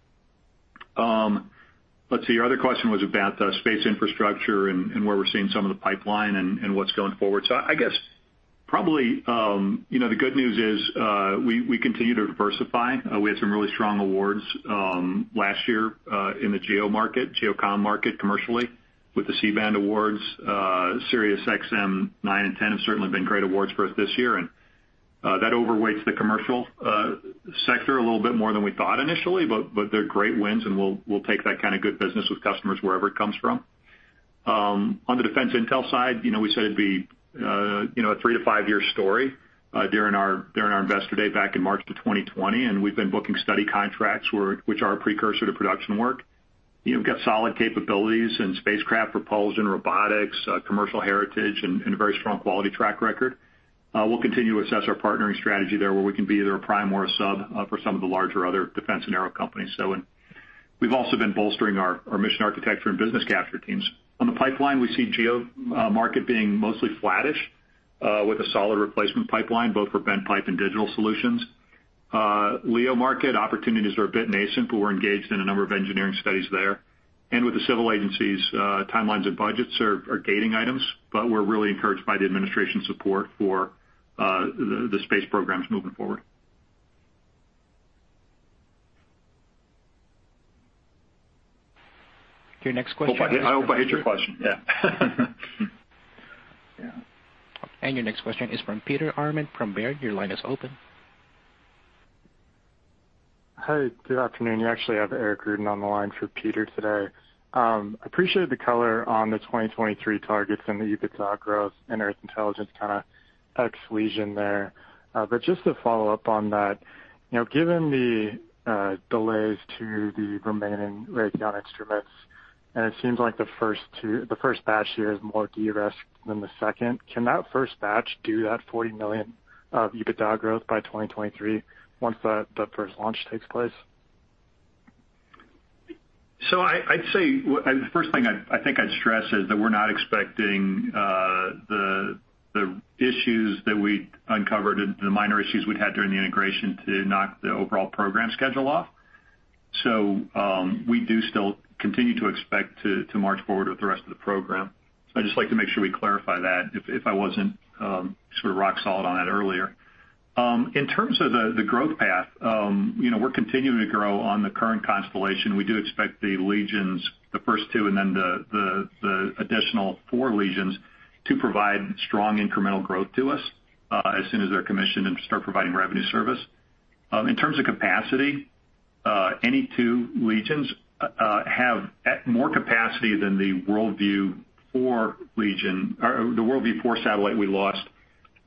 Let's see. Your other question was about Space Infrastructure and where we're seeing some of the pipeline and what's going forward. I guess probably, you know, the good news is, we continue to diversify. We had some really strong awards last year in the GEO market, GEO-com market commercially with the C-band awards, SiriusXM-9 and SiriusXM-10 have certainly been great awards for us this year. That overweights the commercial sector a little bit more than we thought initially, but they're great wins, and we'll take that kind of good business with customers wherever it comes from. On the defense intel side, you know, we said it'd be a three to five year story during our Investor Day back in March 2020, and we've been booking study contracts which are a precursor to production work. You know, we've got solid capabilities in spacecraft propulsion, robotics, commercial heritage, and a very strong quality track record. We'll continue to assess our partnering strategy there, where we can be either a prime or a sub for some of the larger other defense and aero companies. We've also been bolstering our mission architecture and business capture teams. On the pipeline, we see GEO market being mostly flattish with a solid replacement pipeline, both for bend pipe and digital solutions. LEO market opportunities are a bit nascent, but we're engaged in a number of engineering studies there. With the civil agencies, timelines and budgets are gating items, but we're really encouraged by the administration support for the space programs moving forward. Your next question is. I hope I hit your question. Yeah. Your next question is from Peter Arment from Baird. Your line is open. Hi. Good afternoon. You actually have Eric Ruden on the line for Peter today. Appreciate the color on the 2023 targets and the EBITDA growth and Earth Intelligence kind of ex-Legion there. Just to follow up on that, you know, given the delays to the remaining Raytheon instruments, and it seems like the first batch here is more de-risked than the second, can that first batch do that $40 million of EBITDA growth by 2023 once the first launch takes place? I'd say the first thing I think I'd stress is that we're not expecting the issues that we uncovered and the minor issues we'd had during the integration to knock the overall program schedule off. We do still continue to expect to march forward with the rest of the program. I'd just like to make sure we clarify that if I wasn't sort of rock solid on that earlier. In terms of the growth path, you know, we're continuing to grow on the current constellation. We do expect the Legions, the first two and then the additional four Legions to provide strong incremental growth to us as soon as they're commissioned and start providing revenue service. In terms of capacity, any two Legions have more capacity than the WorldView-4 Legion or the WorldView-4 satellite we lost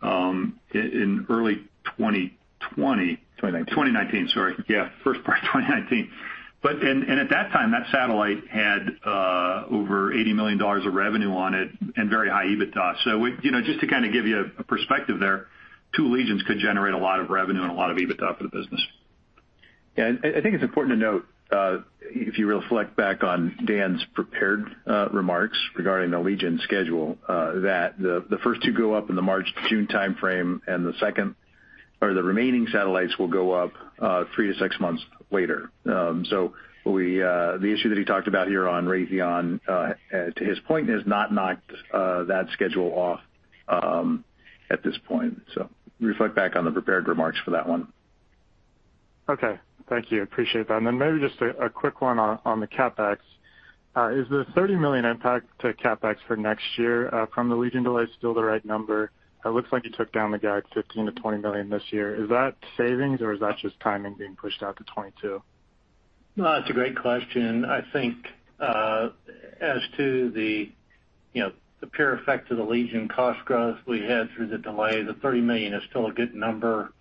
in early 2020. 2019. 2019, sorry. Yeah, first part of 2019. At that time, that satellite had over $80 million of revenue on it and very high EBITDA. You know, just to kind of give you a perspective there, two Legions could generate a lot of revenue and a lot of EBITDA for the business. I think it's important to note, if you reflect back on Dan's prepared remarks regarding the Legion schedule, that the first two go up in the March-June timeframe, and the second or the remaining satellites will go up, three to six months later. So we, the issue that he talked about here on Raytheon, to his point has not knocked that schedule off, at this point. Reflect back on the prepared remarks for that one. Okay. Thank you. Appreciate that. Then maybe just a quick one on the CapEx. Is the $30 million impact to CapEx for next year from the Legion delays still the right number? It looks like you took down the guide $15 million-$20 million this year. Is that savings, or is that just timing being pushed out to 2022? No, that's a great question. I think, as to the, you know, the pure effect of the Legion cost growth we had through the delay, the $30 million is still a good number.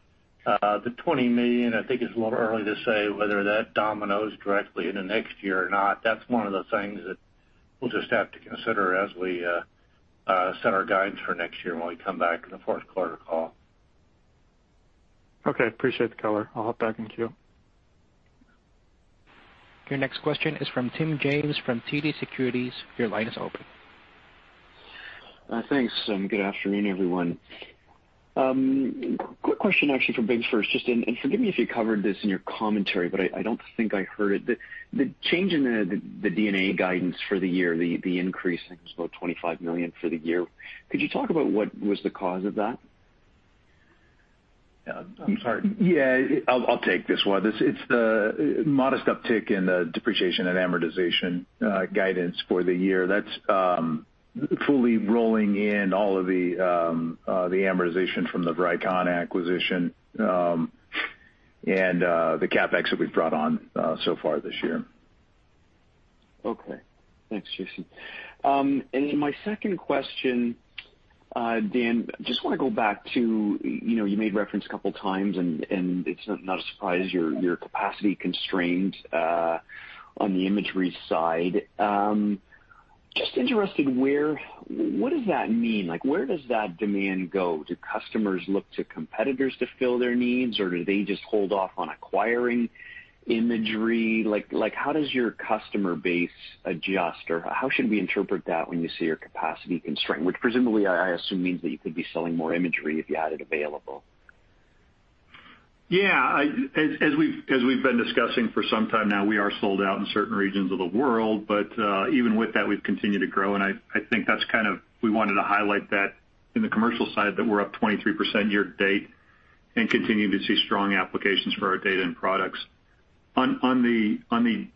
The $20 million, I think it's a little early to say whether that dominoes directly into next year or not. That's one of the things that we'll just have to consider as we set our guidance for next year when we come back in the fourth quarter call. Okay. Appreciate the color. I'll hop back in queue. Your next question is from Tim James from TD Securities. Your line is open. Thanks, good afternoon, everyone. Quick question actually for Biggs first. Forgive me if you covered this in your commentary, but I don't think I heard it. The change in the D&A guidance for the year, the increase, I think it was about $25 million for the year, could you talk about what was the cause of that? Yeah. I'm sorry. Yeah. I'll take this one. This is the modest uptick in the depreciation and amortization guidance for the year. That's fully rolling in all of the the amortization from the Vricon acquisition, and the CapEx that we've brought on so far this year. Okay. Thanks, Jason. And then my second question, Dan, just wanna go back to, you know, you made reference a couple times, and it's not a surprise you're capacity constrained on the imagery side. Just interested, where what does that mean? Like, where does that demand go? Do customers look to competitors to fill their needs, or do they just hold off on acquiring imagery? Like, how does your customer base adjust, or how should we interpret that when you say you're capacity constrained, which presumably I assume means that you could be selling more imagery if you had it available? Yeah. As we've been discussing for some time now, we are sold out in certain regions of the world. Even with that, we've continued to grow. I think we wanted to highlight that in the commercial side, that we're up 23% year-to-date and continue to see strong applications for our data and products. On the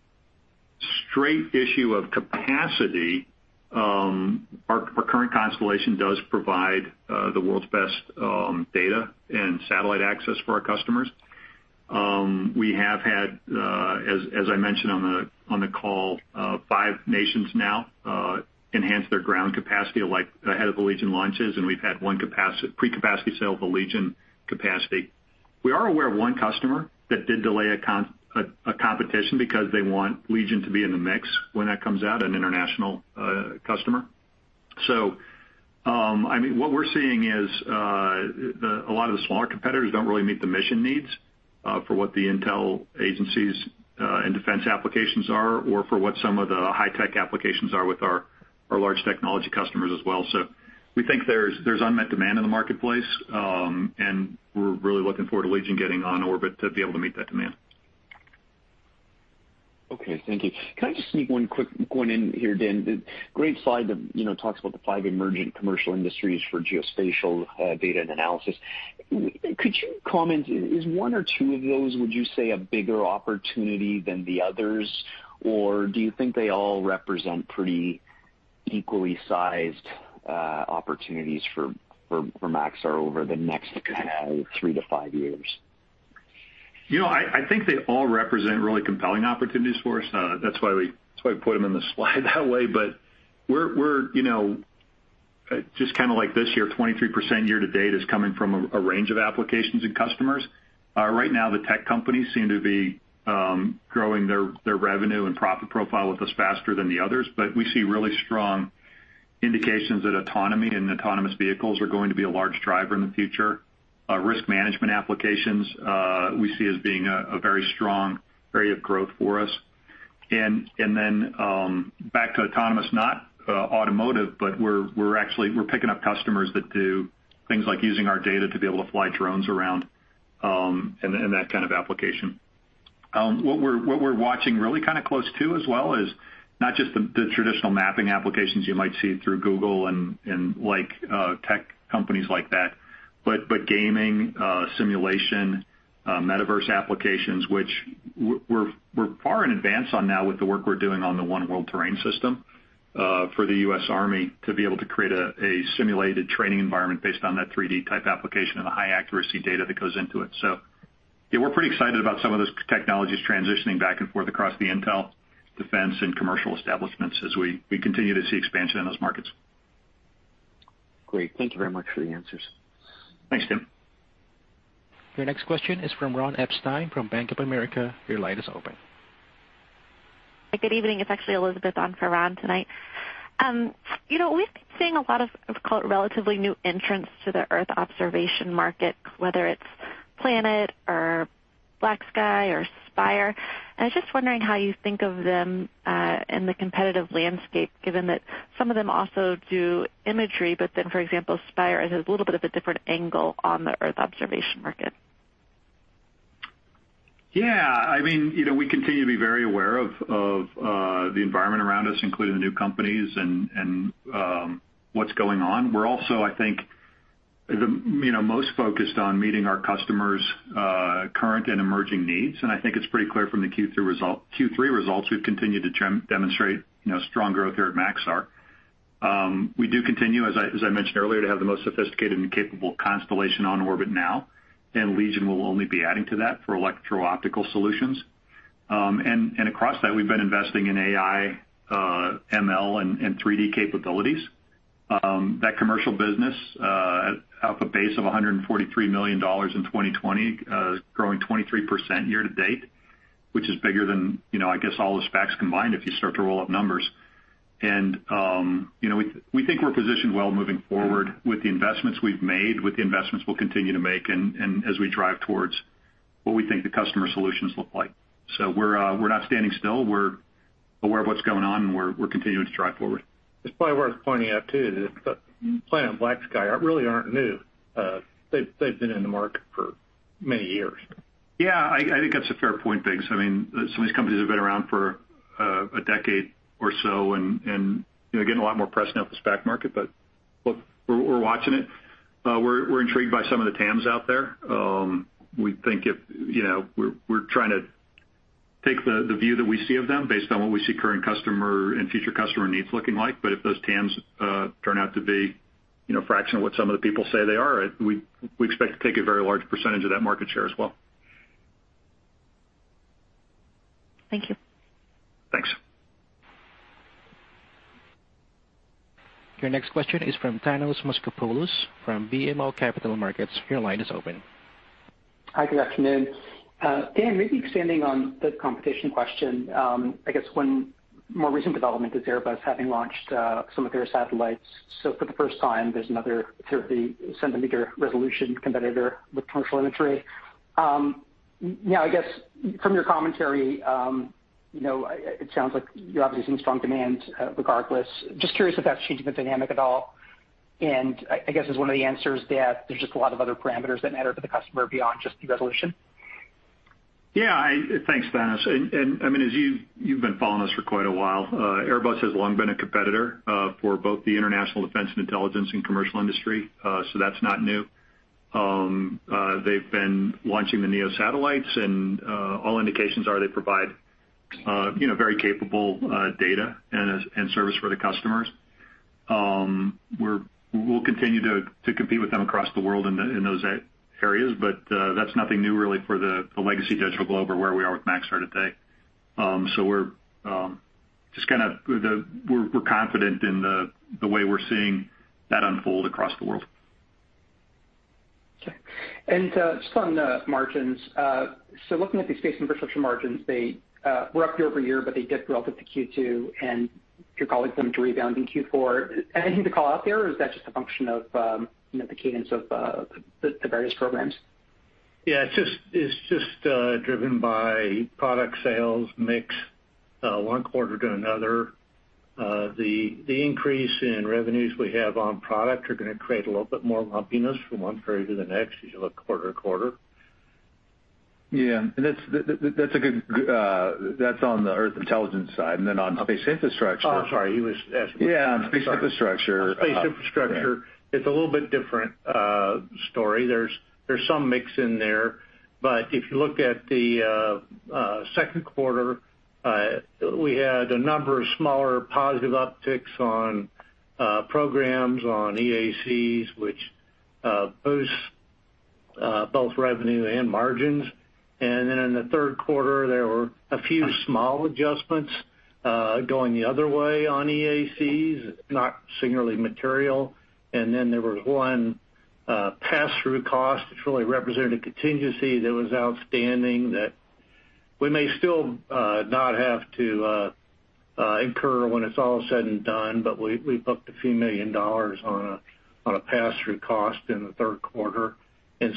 straight issue of capacity, our current constellation does provide the world's best data and satellite access for our customers. We have had, as I mentioned on the call, five nations now enhance their ground capacity, like ahead of the Legion launches, and we've had one pre-capacity sale for Legion capacity. We are aware of one customer that did delay a competition because they want Legion to be in the mix when that comes out, an international customer. I mean, what we're seeing is a lot of the smaller competitors don't really meet the mission needs for what the intel agencies and defense applications are, or for what some of the high-tech applications are with our large technology customers as well. We think there's unmet demand in the marketplace, and we're really looking forward to Legion getting on orbit to be able to meet that demand. Okay. Thank you. Can I just sneak one quick one in here, Dan? Great slide that, you know, talks about the five emerging commercial industries for geospatial data and analysis. Could you comment, is one or two of those, would you say, a bigger opportunity than the others? Or do you think they all represent pretty equally sized opportunities for Maxar over the next kind of three to five years? You know, I think they all represent really compelling opportunities for us. That's why we put them in the slide that way. But we're, you know, just kind of like this year, 23% year-to-date is coming from a range of applications and customers. Right now, the tech companies seem to be growing their revenue and profit profile with us faster than the others. But we see really strong indications that autonomy and autonomous vehicles are going to be a large driver in the future. Risk management applications, we see as being a very strong area of growth for us. Then back to autonomous, not automotive, but we're actually picking up customers that do things like using our data to be able to fly drones around and that kind of application. What we're watching really kind of close to as well is not just the traditional mapping applications you might see through Google and like tech companies like that, but gaming simulation metaverse applications, which we're far in advance on now with the work we're doing on the One World Terrain system for the U.S. Army to be able to create a simulated training environment based on that 3D-type application and the high accuracy data that goes into it. Yeah, we're pretty excited about some of those technologies transitioning back and forth across the intel, defense, and commercial establishments as we continue to see expansion in those markets. Great. Thank you very much for the answers. Thanks, Tim. Your next question is from Ron Epstein from Bank of America. Your line is open. Good evening. It's actually Elizabeth on for Ron tonight. You know, we've been seeing a lot of, I'll call it, relatively new entrants to the earth observation market, whether it's Planet or BlackSky or Spire. I was just wondering how you think of them in the competitive landscape, given that some of them also do imagery? Then, for example, Spire has a little bit of a different angle on the earth observation market. Yeah. I mean, you know, we continue to be very aware of the environment around us, including the new companies and what's going on. We're also, I think, you know, most focused on meeting our customers' current and emerging needs. I think it's pretty clear from the Q3 results we've continued to demonstrate, you know, strong growth here at Maxar. We do continue, as I mentioned earlier, to have the most sophisticated and capable constellation on orbit now, and Legion will only be adding to that for electro-optical solutions. Across that, we've been investing in AI, ML, and 3D capabilities. That commercial business, off a base of $143 million in 2020, growing 23% year-to-date, which is bigger than, you know, I guess all the SPACs combined if you start to roll up numbers. You know, we think we're positioned well moving forward with the investments we've made, with the investments we'll continue to make, and as we drive towards what we think the customer solutions look like. We're not standing still. We're aware of what's going on, and we're continuing to drive forward. It's probably worth pointing out, too, that Planet and BlackSky really aren't new. They've been in the market for many years. Yeah. I think that's a fair point, Biggs. I mean, some of these companies have been around for a decade or so and, you know, getting a lot more press now with the SPAC market. But look, we're watching it. We're intrigued by some of the TAMs out there. We think if, you know, we're trying to take the view that we see of them based on what we see current customer and future customer needs looking like. But if those TAMs turn out to be, you know, a fraction of what some of the people say they are, we expect to take a very large percentage of that market share as well. Thank you. Thanks. Your next question is from Thanos Moschopoulos from BMO Capital Markets. Your line is open. Hi. Good afternoon. Dan, maybe expanding on the competition question. I guess one more recent development is Airbus having launched some of their satellites. So for the first time, there's another 30cm resolution competitor with [commercial imagery]. Now, I guess from your commentary, you know, it sounds like you're obviously seeing strong demand, regardless. Just curious if that's changing the dynamic at all. I guess is one of the answers that there's just a lot of other parameters that matter to the customer beyond just the resolution? Yeah. Thanks, Thanos. I mean, as you've been following us for quite a while. Airbus has long been a competitor for both the international defense and intelligence and commercial industry. That's not new. They've been launching the Neo satellites, and all indications are they provide very capable data and service for the customers. We'll continue to compete with them across the world in those areas, but that's nothing new really for the legacy DigitalGlobe or where we are with Maxar today. We're just kind of confident in the way we're seeing that unfold across the world. Okay. Just on the margins. Looking at the Space Infrastructure margins, they were up year-over-year, but they dipped relative to Q2, and you're calling for them to rebound in Q4. Anything to call out there, or is that just a function of the cadence of the various programs? Yeah, it's just driven by product sales mix one quarter to another. The increase in revenues we have on product are gonna create a little bit more lumpiness from one quarter to the next as you look quarter-to-quarter. Yeah. That's on the Earth Intelligence side. On Space Infrastructure- Oh, sorry. He was asking. Yeah, on Space Infrastructure. On Space Infrastructure. Yeah. It's a little bit different story. There's some mix in there. If you look at the second quarter, we had a number of smaller positive upticks on programs on EACs, which boosts both revenue and margins. In the third quarter, there were a few small adjustments going the other way on EACs, not singularly material. There was one pass-through cost which really represented a contingency that was outstanding that we may still not have to incur when it's all said and done, but we booked a few million dollars on a pass-through cost in the third quarter. You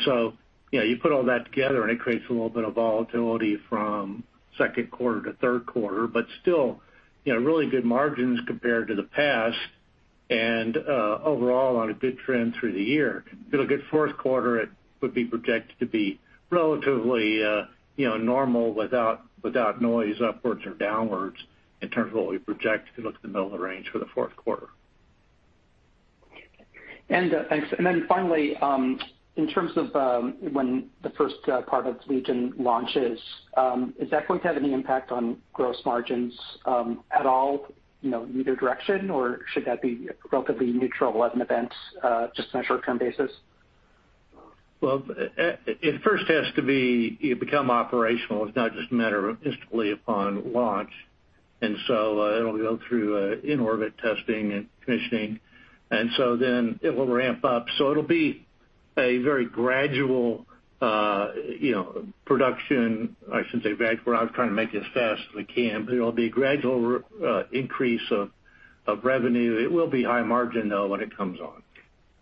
know, you put all that together, and it creates a little bit of volatility from second quarter to third quarter. Still, you know, really good margins compared to the past, and overall on a good trend through the year. It'll get fourth quarter, it would be projected to be relatively, you know, normal without noise upwards or downwards in terms of what we project if you look at the middle of the range for the fourth quarter. Thanks. Finally, in terms of when the first part of Legion launches, is that going to have any impact on gross margins at all, you know, in either direction, or should that be relatively neutral as an event just on a short-term basis? Well, it first has to be you become operational. It's not just a matter of instantly upon launch. It'll go through in-orbit testing and commissioning. It will ramp up. It'll be a very gradual, you know, production. I shouldn't say. We're trying to make it as fast as we can, but it'll be a gradual increase of revenue. It will be high margin, though, when it comes on.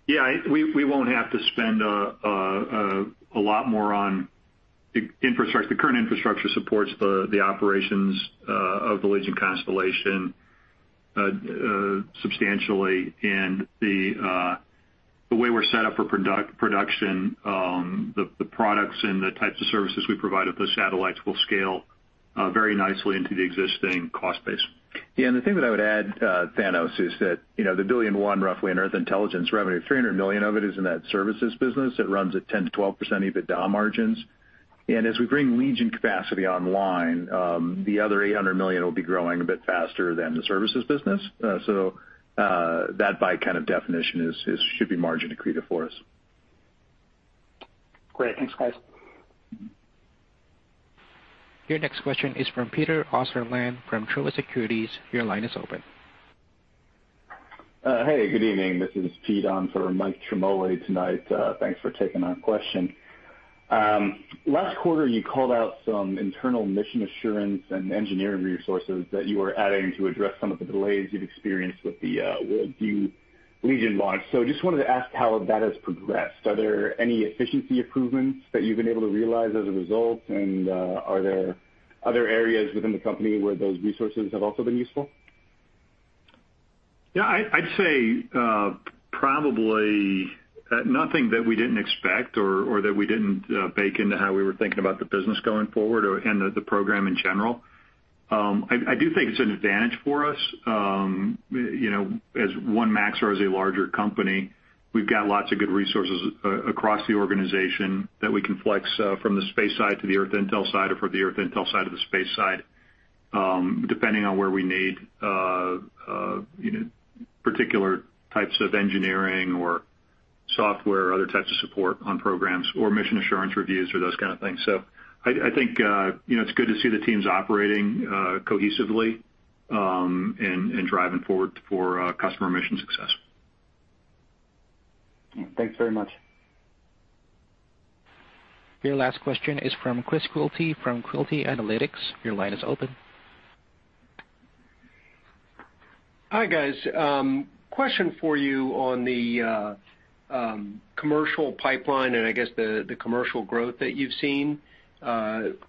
Yeah. We won't have to spend a lot more on infrastructure. The current infrastructure supports the operations of the Legion constellation substantially. The way we're set up for production, the products and the types of services we provide at the satellites will scale very nicely into the existing cost base. Yeah. The thing that I would add, Thanos, is that, you know, the $1 billion roughly in Earth Intelligence revenue, $300 million of it is in that services business that runs at 10%-12% EBITDA margins. As we bring Legion capacity online, the other $800 million will be growing a bit faster than the services business. That by kind of definition is should be margin accretive for us. Great. Thanks, guys. Your next question is from Peter Osterland from Truist Securities. Your line is open. Hey, good evening. This is Pete on for Mike Ciarmoli tonight. Thanks for taking our question. Last quarter, you called out some internal mission assurance and engineering resources that you were adding to address some of the delays you've experienced with the Legion launch. Just wanted to ask how that has progressed. Are there any efficiency improvements that you've been able to realize as a result? Are there other areas within the company where those resources have also been useful? Yeah. I'd say probably nothing that we didn't expect or that we didn't bake into how we were thinking about the business going forward and the program in general. I do think it's an advantage for us. You know, as one Maxar is a larger company, we've got lots of good resources across the organization that we can flex from the space side to the Earth intel side or from the Earth intel side to the space side depending on where we need you know particular types of engineering or software or other types of support on programs or mission assurance reviews or those kind of things. I think you know it's good to see the teams operating cohesively and driving forward for customer mission success. Thanks very much. Your last question is from Chris Quilty from Quilty Analytics. Your line is open. Hi, guys. Question for you on the commercial pipeline and I guess the commercial growth that you've seen. If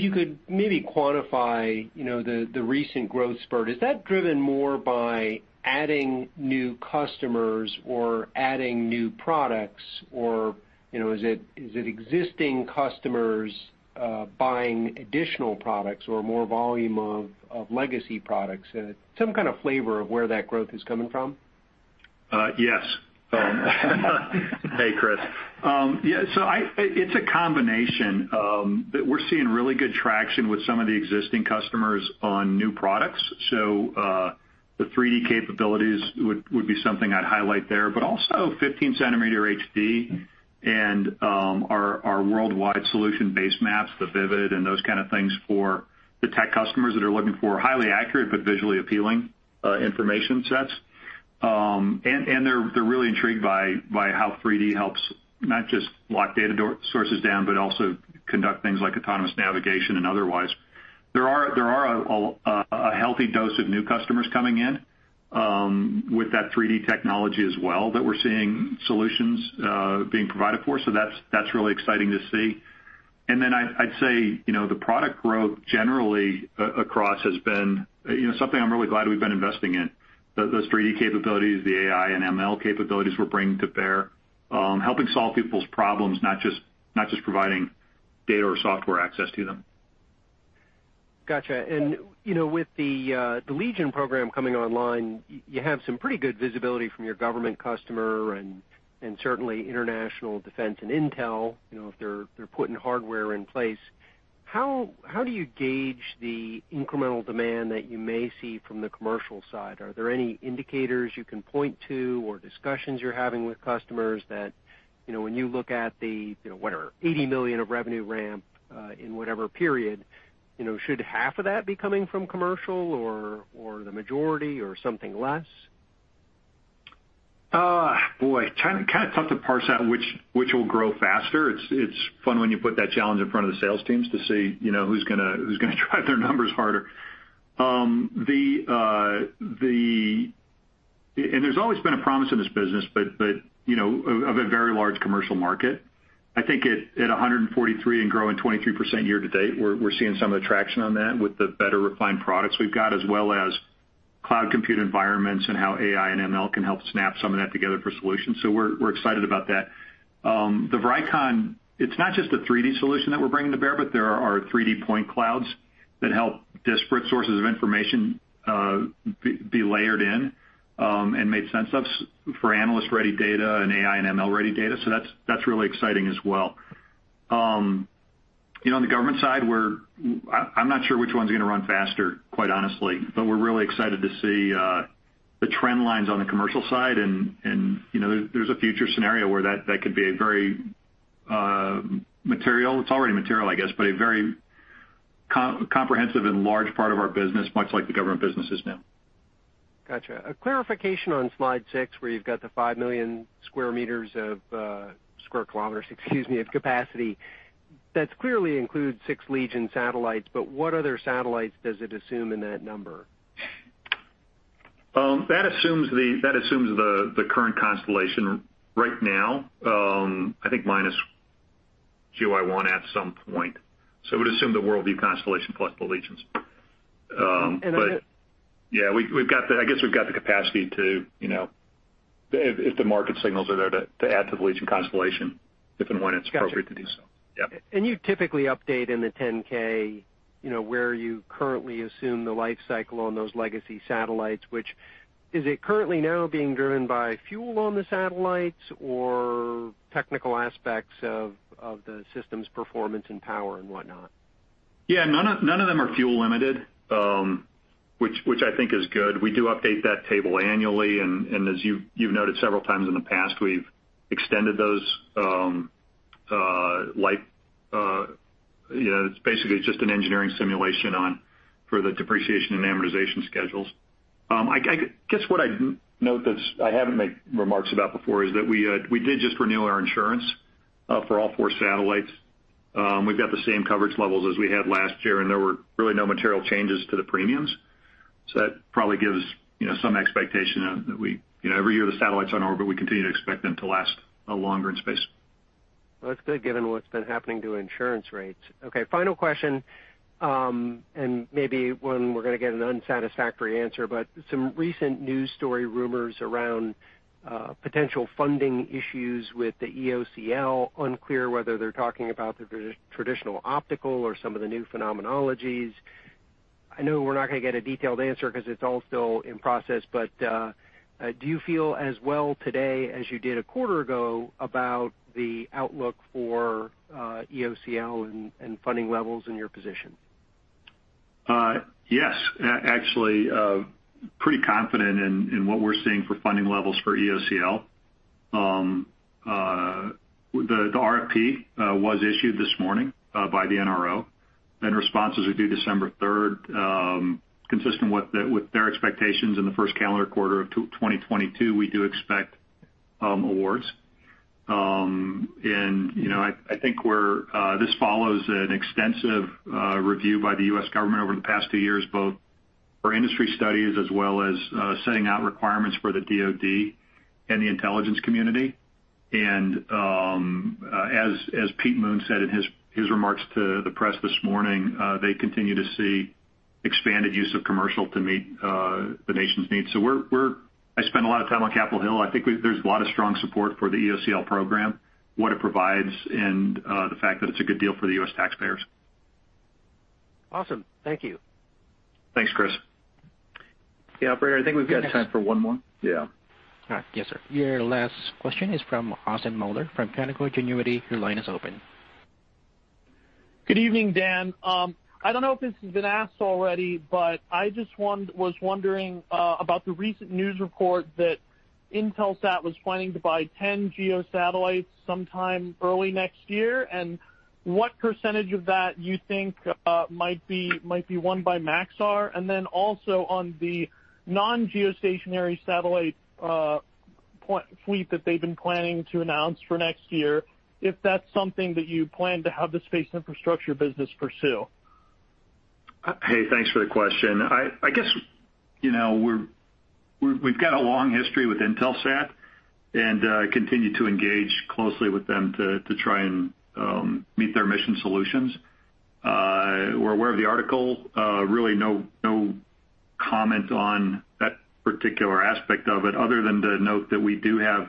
you could maybe quantify, you know, the recent growth spurt. Is that driven more by adding new customers or adding new products or, you know, is it existing customers buying additional products or more volume of legacy products? Some kind of flavor of where that growth is coming from? Yes. Hey, Chris. It's a combination, but we're seeing really good traction with some of the existing customers on new products. The 3D capabilities would be something I'd highlight there, but also 15-cm HD and our worldwide solution-based maps, the Vivid and those kind of things for the tech customers that are looking for highly-accurate but visually-appealing information sets. They're really intrigued by how 3D helps not just lock data sources down, but also conduct things like autonomous navigation and otherwise. There are a healthy dose of new customers coming in with that 3D technology as well that we're seeing solutions being provided for. That's really exciting to see. I'd say, you know, the product growth generally across has been, you know, something I'm really glad we've been investing in. Those 3D capabilities, the AI and ML capabilities we're bringing to bear, helping solve people's problems, not just providing data or software access to them. Gotcha. You know, with the Legion program coming online, you have some pretty good visibility from your government customer and certainly international defense and intel, you know, if they're putting hardware in place. How do you gauge the incremental demand that you may see from the commercial side? Are there any indicators you can point to or discussions you're having with customers that, you know, when you look at the, you know, whatever, $80 million revenue ramp in whatever period, you know, should 1/2 of that be coming from commercial, or the majority, or something less? Boy, kind of tough to parse out which will grow faster. It's fun when you put that challenge in front of the sales teams to see, you know, who's gonna drive their numbers harder. There's always been a promise in this business, but you know of a very large commercial market. I think at $143 million and growing 23% year-to-date, we're seeing some of the traction on that with the better refined products we've got, as well as cloud compute environments and how AI and ML can help snap some of that together for solutions. We're excited about that. The Vricon, it's not just a 3D solution that we're bringing to bear, but there are our 3D point clouds that help disparate sources of information be layered in and made sense of for analyst-ready data and AI and ML-ready data. So that's really exciting as well. You know, on the government side, we're. I'm not sure which one's gonna run faster, quite honestly. We're really excited to see the trend lines on the commercial side and, you know, there's a future scenario where that could be a very material. It's already material, I guess, but a very comprehensive and large part of our business, much like the government business is now. Gotcha. A clarification on slide six, where you've got the 5 million sq km, excuse me, of capacity. That clearly includes six Legion satellites, but what other satellites does it assume in that number? That assumes the current constellation right now. I think minus GeoEye-1 at some point. It would assume the WorldView constellation plus the Legion. And then- Yeah, I guess we've got the capacity to, you know, if the market signals are there, to add to the Legion constellation if and when it's appropriate to do so. Gotcha. Yeah. You typically update in the 10-K, you know, where you currently assume the life cycle on those legacy satellites, which is it currently now being driven by fuel on the satellites or technical aspects of the system's performance and power and whatnot? Yeah, none of them are fuel limited, which I think is good. We do update that table annually, and as you've noted several times in the past, we've extended those. You know, it's basically just an engineering simulation run for the depreciation and amortization schedules. I guess what I'd note that I haven't made remarks about before is that we did just renew our insurance for all four satellites. We've got the same coverage levels as we had last year, and there were really no material changes to the premiums. So that probably gives, you know, some expectation that every year the satellites are in orbit, we continue to expect them to last longer in space. Well, that's good given what's been happening to insurance rates. Okay, final question, and maybe one we're gonna get an unsatisfactory answer, but some recent news story rumors around potential funding issues with the EOCL, unclear whether they're talking about the traditional optical or some of the new phenomenologies. I know we're not gonna get a detailed answer 'cause it's all still in process, but do you feel as well today as you did a quarter ago about the outlook for EOCL and funding levels and your position? Yes. Actually, pretty confident in what we're seeing for funding levels for EOCL. The RFP was issued this morning by the NRO, and responses are due December 3rd. Consistent with their expectations in the first calendar quarter of 2022, we do expect awards. You know, I think this follows an extensive review by the U.S. government over the past two years, both for industry studies as well as setting out requirements for the DoD and the intelligence community. As Pete Muend said in his remarks to the press this morning, they continue to see expanded use of commercial to meet the nation's needs. I spend a lot of time on Capitol Hill. I think there's a lot of strong support for the EOCL program, what it provides, and the fact that it's a good deal for the U.S. taxpayers. Awesome. Thank you. Thanks, Chris. Yeah, operator, I think we've got time for one more. Yeah. All right. Yes, sir. Your last question is from Austin Moeller from Canaccord Genuity. Your line is open. Good evening, Dan. I don't know if this has been asked already, but I just want... Was wondering about the recent news report that Intelsat was planning to buy 10 GEO satellites sometime early next year. What percentage of that you think might be won by Maxar? Then also on the non-geostationary satellite fleet that they've been planning to announce for next year, if that's something that you plan to have the Space Infrastructure business pursue. Hey, thanks for the question. I guess, you know, we've got a long history with Intelsat and continue to engage closely with them to try and meet their mission solutions. We're aware of the article. Really no comment on that particular aspect of it other than to note that we do have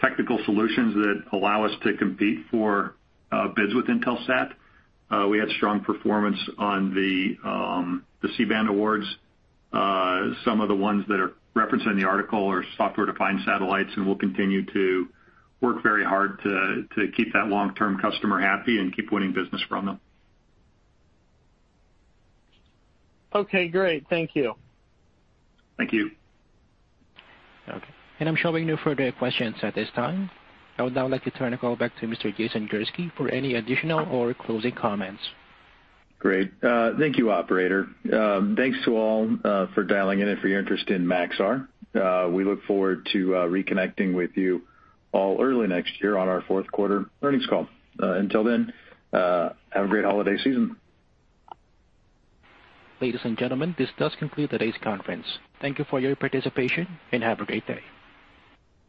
technical solutions that allow us to compete for bids with Intelsat. We had strong performance on the C-band awards. Some of the ones that are referenced in the article are software-defined satellites, and we'll continue to work very hard to keep that long-term customer happy and keep winning business from them. Okay, great. Thank you. Thank you. Okay. I'm showing no further questions at this time. I would now like to turn the call back to Mr. Jason Gursky for any additional or closing comments. Great. Thank you, operator. Thanks to all for dialing in and for your interest in Maxar. We look forward to reconnecting with you all early next year on our fourth quarter earnings call. Until then, have a great holiday season. Ladies and gentlemen, this does conclude today's conference. Thank you for your participation, and have a great day.